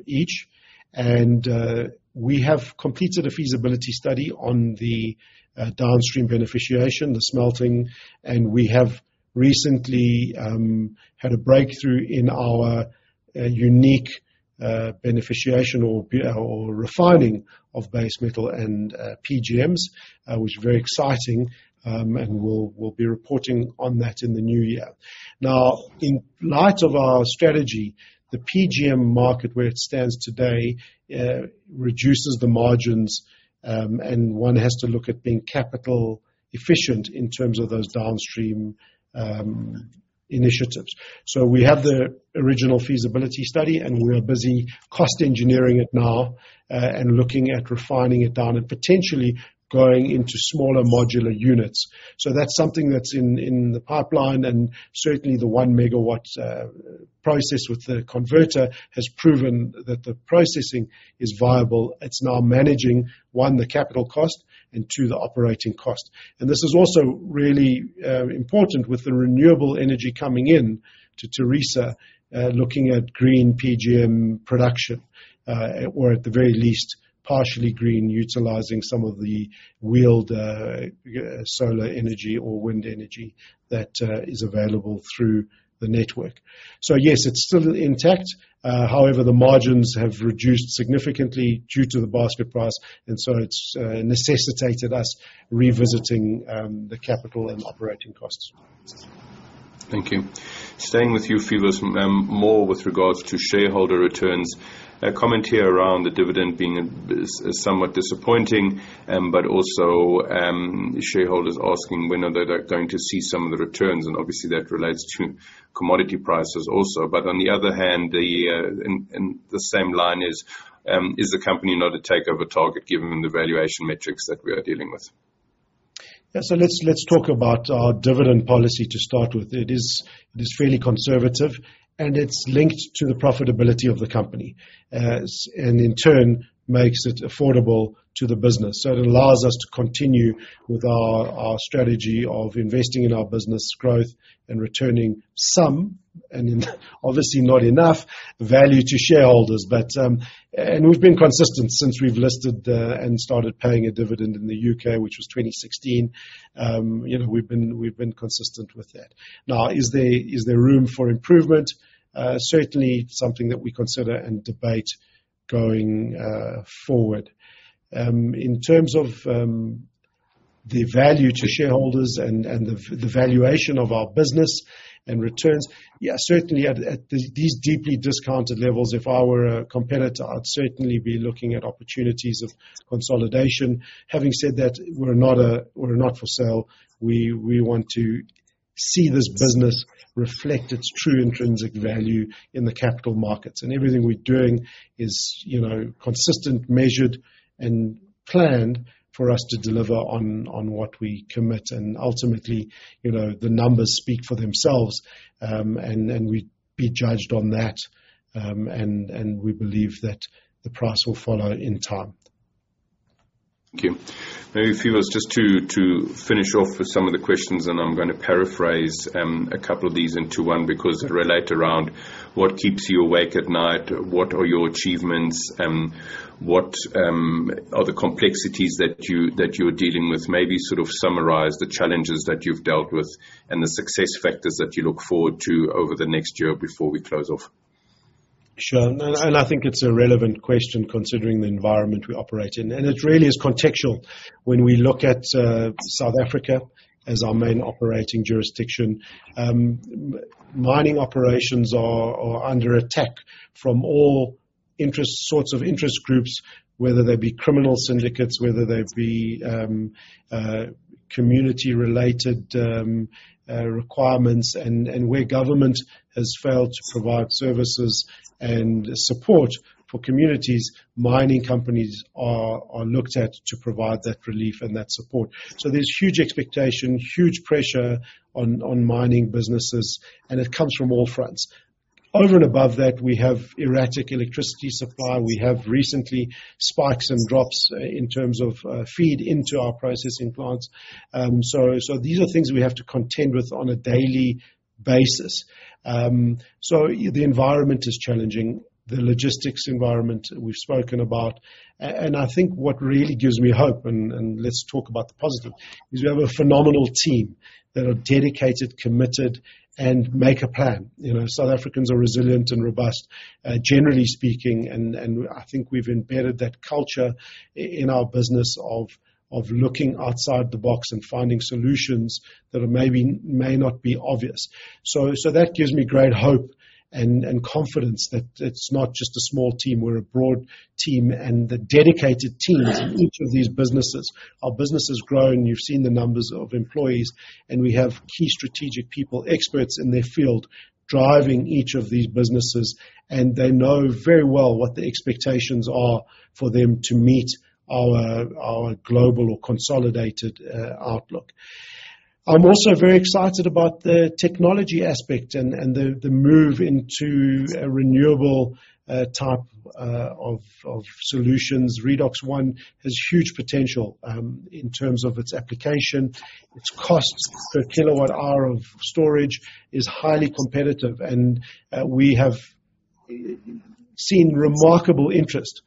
each. We have completed a feasibility study on the downstream beneficiation, the smelting, and we have recently had a breakthrough in our unique beneficiation or refining of base metal and PGMs, which is very exciting, and we'll be reporting on that in the new year. Now, in light of our strategy, the PGM market, where it stands today, reduces the margins, and one has to look at being capital efficient in terms of those downstream initiatives. So we have the original feasibility study, and we are busy cost engineering it now, and looking at refining it down and potentially going into smaller modular units. So that's something that's in the pipeline, and certainly the 1-megawatt process with the converter has proven that the processing is viable. It's now managing, one, the capital cost, and two, the operating cost. And this is also really important with the renewable energy coming in to Tharisa, looking at green PGM production, or at the very least, partially green, utilizing some of the wheeled solar energy or wind energy that is available through the network. So yes, it's still intact. However, the margins have reduced significantly due to the basket price, and so it's necessitated us revisiting the capital and operating costs. Thank you. Staying with you, Phoevos, more with regards to shareholder returns. A comment here around the dividend being somewhat disappointing, but also, shareholders asking when are they going to see some of the returns, and obviously that relates to commodity prices also. But on the other hand, in the same line, is the company not a takeover target given the valuation metrics that we are dealing with? Yeah, so let's talk about our dividend policy to start with. It is fairly conservative, and it's linked to the profitability of the company and in turn makes it affordable to the business. So it allows us to continue with our strategy of investing in our business growth and returning some, and obviously not enough, value to shareholders. But and we've been consistent since we've listed and started paying a dividend in the UK, which was 2016. You know, we've been consistent with that. Now, is there room for improvement? Certainly something that we consider and debate going forward. In terms of the value to shareholders and the valuation of our business and returns. Yeah, certainly at, at these deeply discounted levels, if I were a competitor, I'd certainly be looking at opportunities of consolidation. Having said that, we're not, we're not for sale. We, we want to see this business reflect its true intrinsic value in the capital markets, and everything we're doing is, you know, consistent, measured, and planned for us to deliver on, on what we commit. And ultimately, you know, the numbers speak for themselves, and, and we'd be judged on that, and, and we believe that the price will follow in time. Thank you. Maybe, Phevos, just to finish off with some of the questions, and I'm gonna paraphrase a couple of these into one, because they relate around what keeps you awake at night? What are your achievements, and what are the complexities that you, that you're dealing with? Maybe sort of summarize the challenges that you've dealt with and the success factors that you look forward to over the next year before we close off. Sure, and I think it's a relevant question, considering the environment we operate in. It really is contextual when we look at South Africa as our main operating jurisdiction. Mining operations are under attack from all sorts of interest groups, whether they be criminal syndicates, whether they be community-related requirements. Where government has failed to provide services and support for communities, mining companies are looked at to provide that relief and that support. So there's huge expectation, huge pressure on mining businesses, and it comes from all fronts. Over and above that, we have erratic electricity supply. We have recent spikes and drops in terms of feed into our processing plants. So these are things we have to contend with on a daily basis. So the environment is challenging, the logistics environment we've spoken about. And I think what really gives me hope, and let's talk about the positive, is we have a phenomenal team that are dedicated, committed, and make a plan. You know, South Africans are resilient and robust, generally speaking, and I think we've embedded that culture in our business of looking outside the box and finding solutions that are maybe may not be obvious. So that gives me great hope and confidence that it's not just a small team. We're a broad team, and the dedicated teams in each of these businesses. Our business has grown. You've seen the numbers of employees, and we have key strategic people, experts in their field, driving each of these businesses, and they know very well what the expectations are for them to meet our, our global or consolidated, outlook. I'm also very excited about the technology aspect and, and the, the move into a renewable, type, of, of solutions. Redox One has huge potential, in terms of its application. Its costs per kilowatt hour of storage is highly competitive, and, we have seen remarkable interest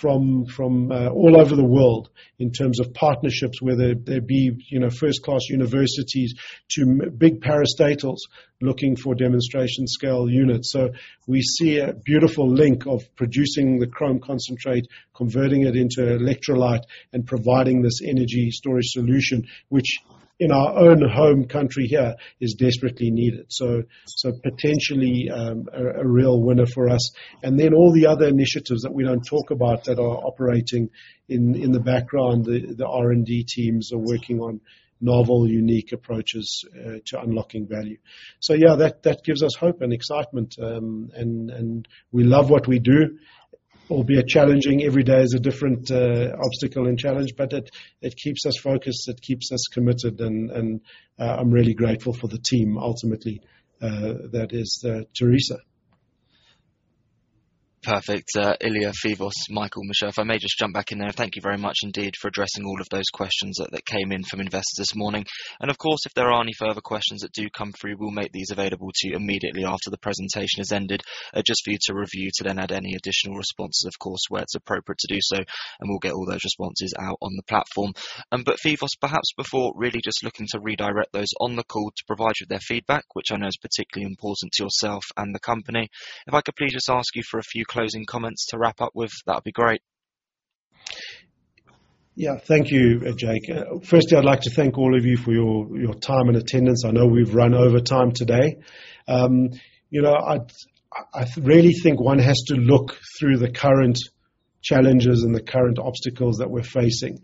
from, from, all over the world in terms of partnerships, whether they be, you know, first-class universities to big parastatals looking for demonstration scale units. So we see a beautiful link of producing the chrome concentrate, converting it into electrolyte, and providing this energy storage solution, which in our own home country here, is desperately needed. So potentially, a real winner for us. And then all the other initiatives that we don't talk about that are operating in the background. The R&D teams are working on novel, unique approaches to unlocking value. So yeah, that gives us hope and excitement, and we love what we do, albeit challenging. Every day is a different obstacle and challenge, but it keeps us focused, it keeps us committed, and I'm really grateful for the team, ultimately, that is Tharisa. Perfect. Ilja, Phoevos, Michael, Michelle, if I may just jump back in there. Thank you very much indeed for addressing all of those questions that, that came in from investors this morning. And of course, if there are any further questions that do come through, we'll make these available to you immediately after the presentation has ended, just for you to review, to then add any additional responses, of course, where it's appropriate to do so, and we'll get all those responses out on the platform. But Phoevos, perhaps before really just looking to redirect those on the call to provide you with their feedback, which I know is particularly important to yourself and the company, if I could please just ask you for a few closing comments to wrap up with, that'd be great. Yeah. Thank you, Jake. Firstly, I'd like to thank all of you for your, your time and attendance. I know we've run over time today. You know, I really think one has to look through the current challenges and the current obstacles that we're facing.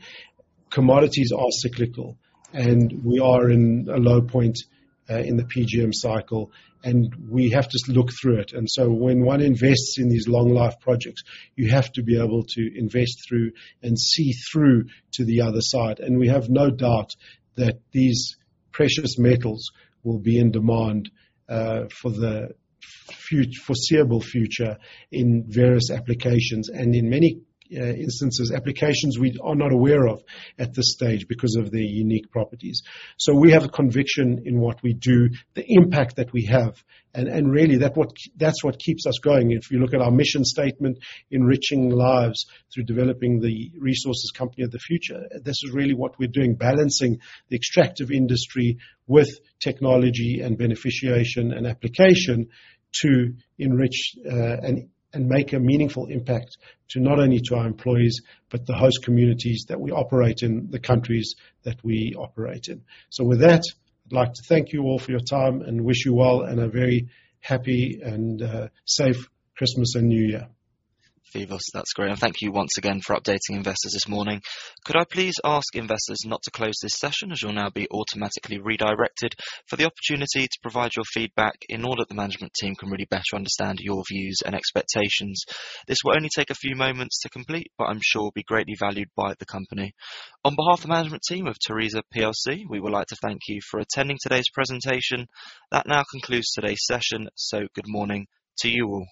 Commodities are cyclical, and we are in a low point in the PGM cycle, and we have to look through it. And so when one invests in these long life projects, you have to be able to invest through and see through to the other side. And we have no doubt that these precious metals will be in demand for the foreseeable future in various applications and in many instances, applications we are not aware of at this stage because of their unique properties. So we have a conviction in what we do, the impact that we have, and really that's what keeps us going. If you look at our mission statement, enriching lives through developing the resources company of the future, this is really what we're doing, balancing the extractive industry with technology and beneficiation and application to enrich and make a meaningful impact to not only our employees, but the host communities that we operate in, the countries that we operate in. So with that, I'd like to thank you all for your time and wish you well, and a very happy and safe Christmas and New Year. Phoevos, that's great, and thank you once again for updating investors this morning. Could I please ask investors not to close this session, as you'll now be automatically redirected, for the opportunity to provide your feedback in order that the management team can really better understand your views and expectations. This will only take a few moments to complete, but I'm sure will be greatly valued by the company. On behalf of the management team of Tharisa plc, we would like to thank you for attending today's presentation. That now concludes today's session, so good morning to you all.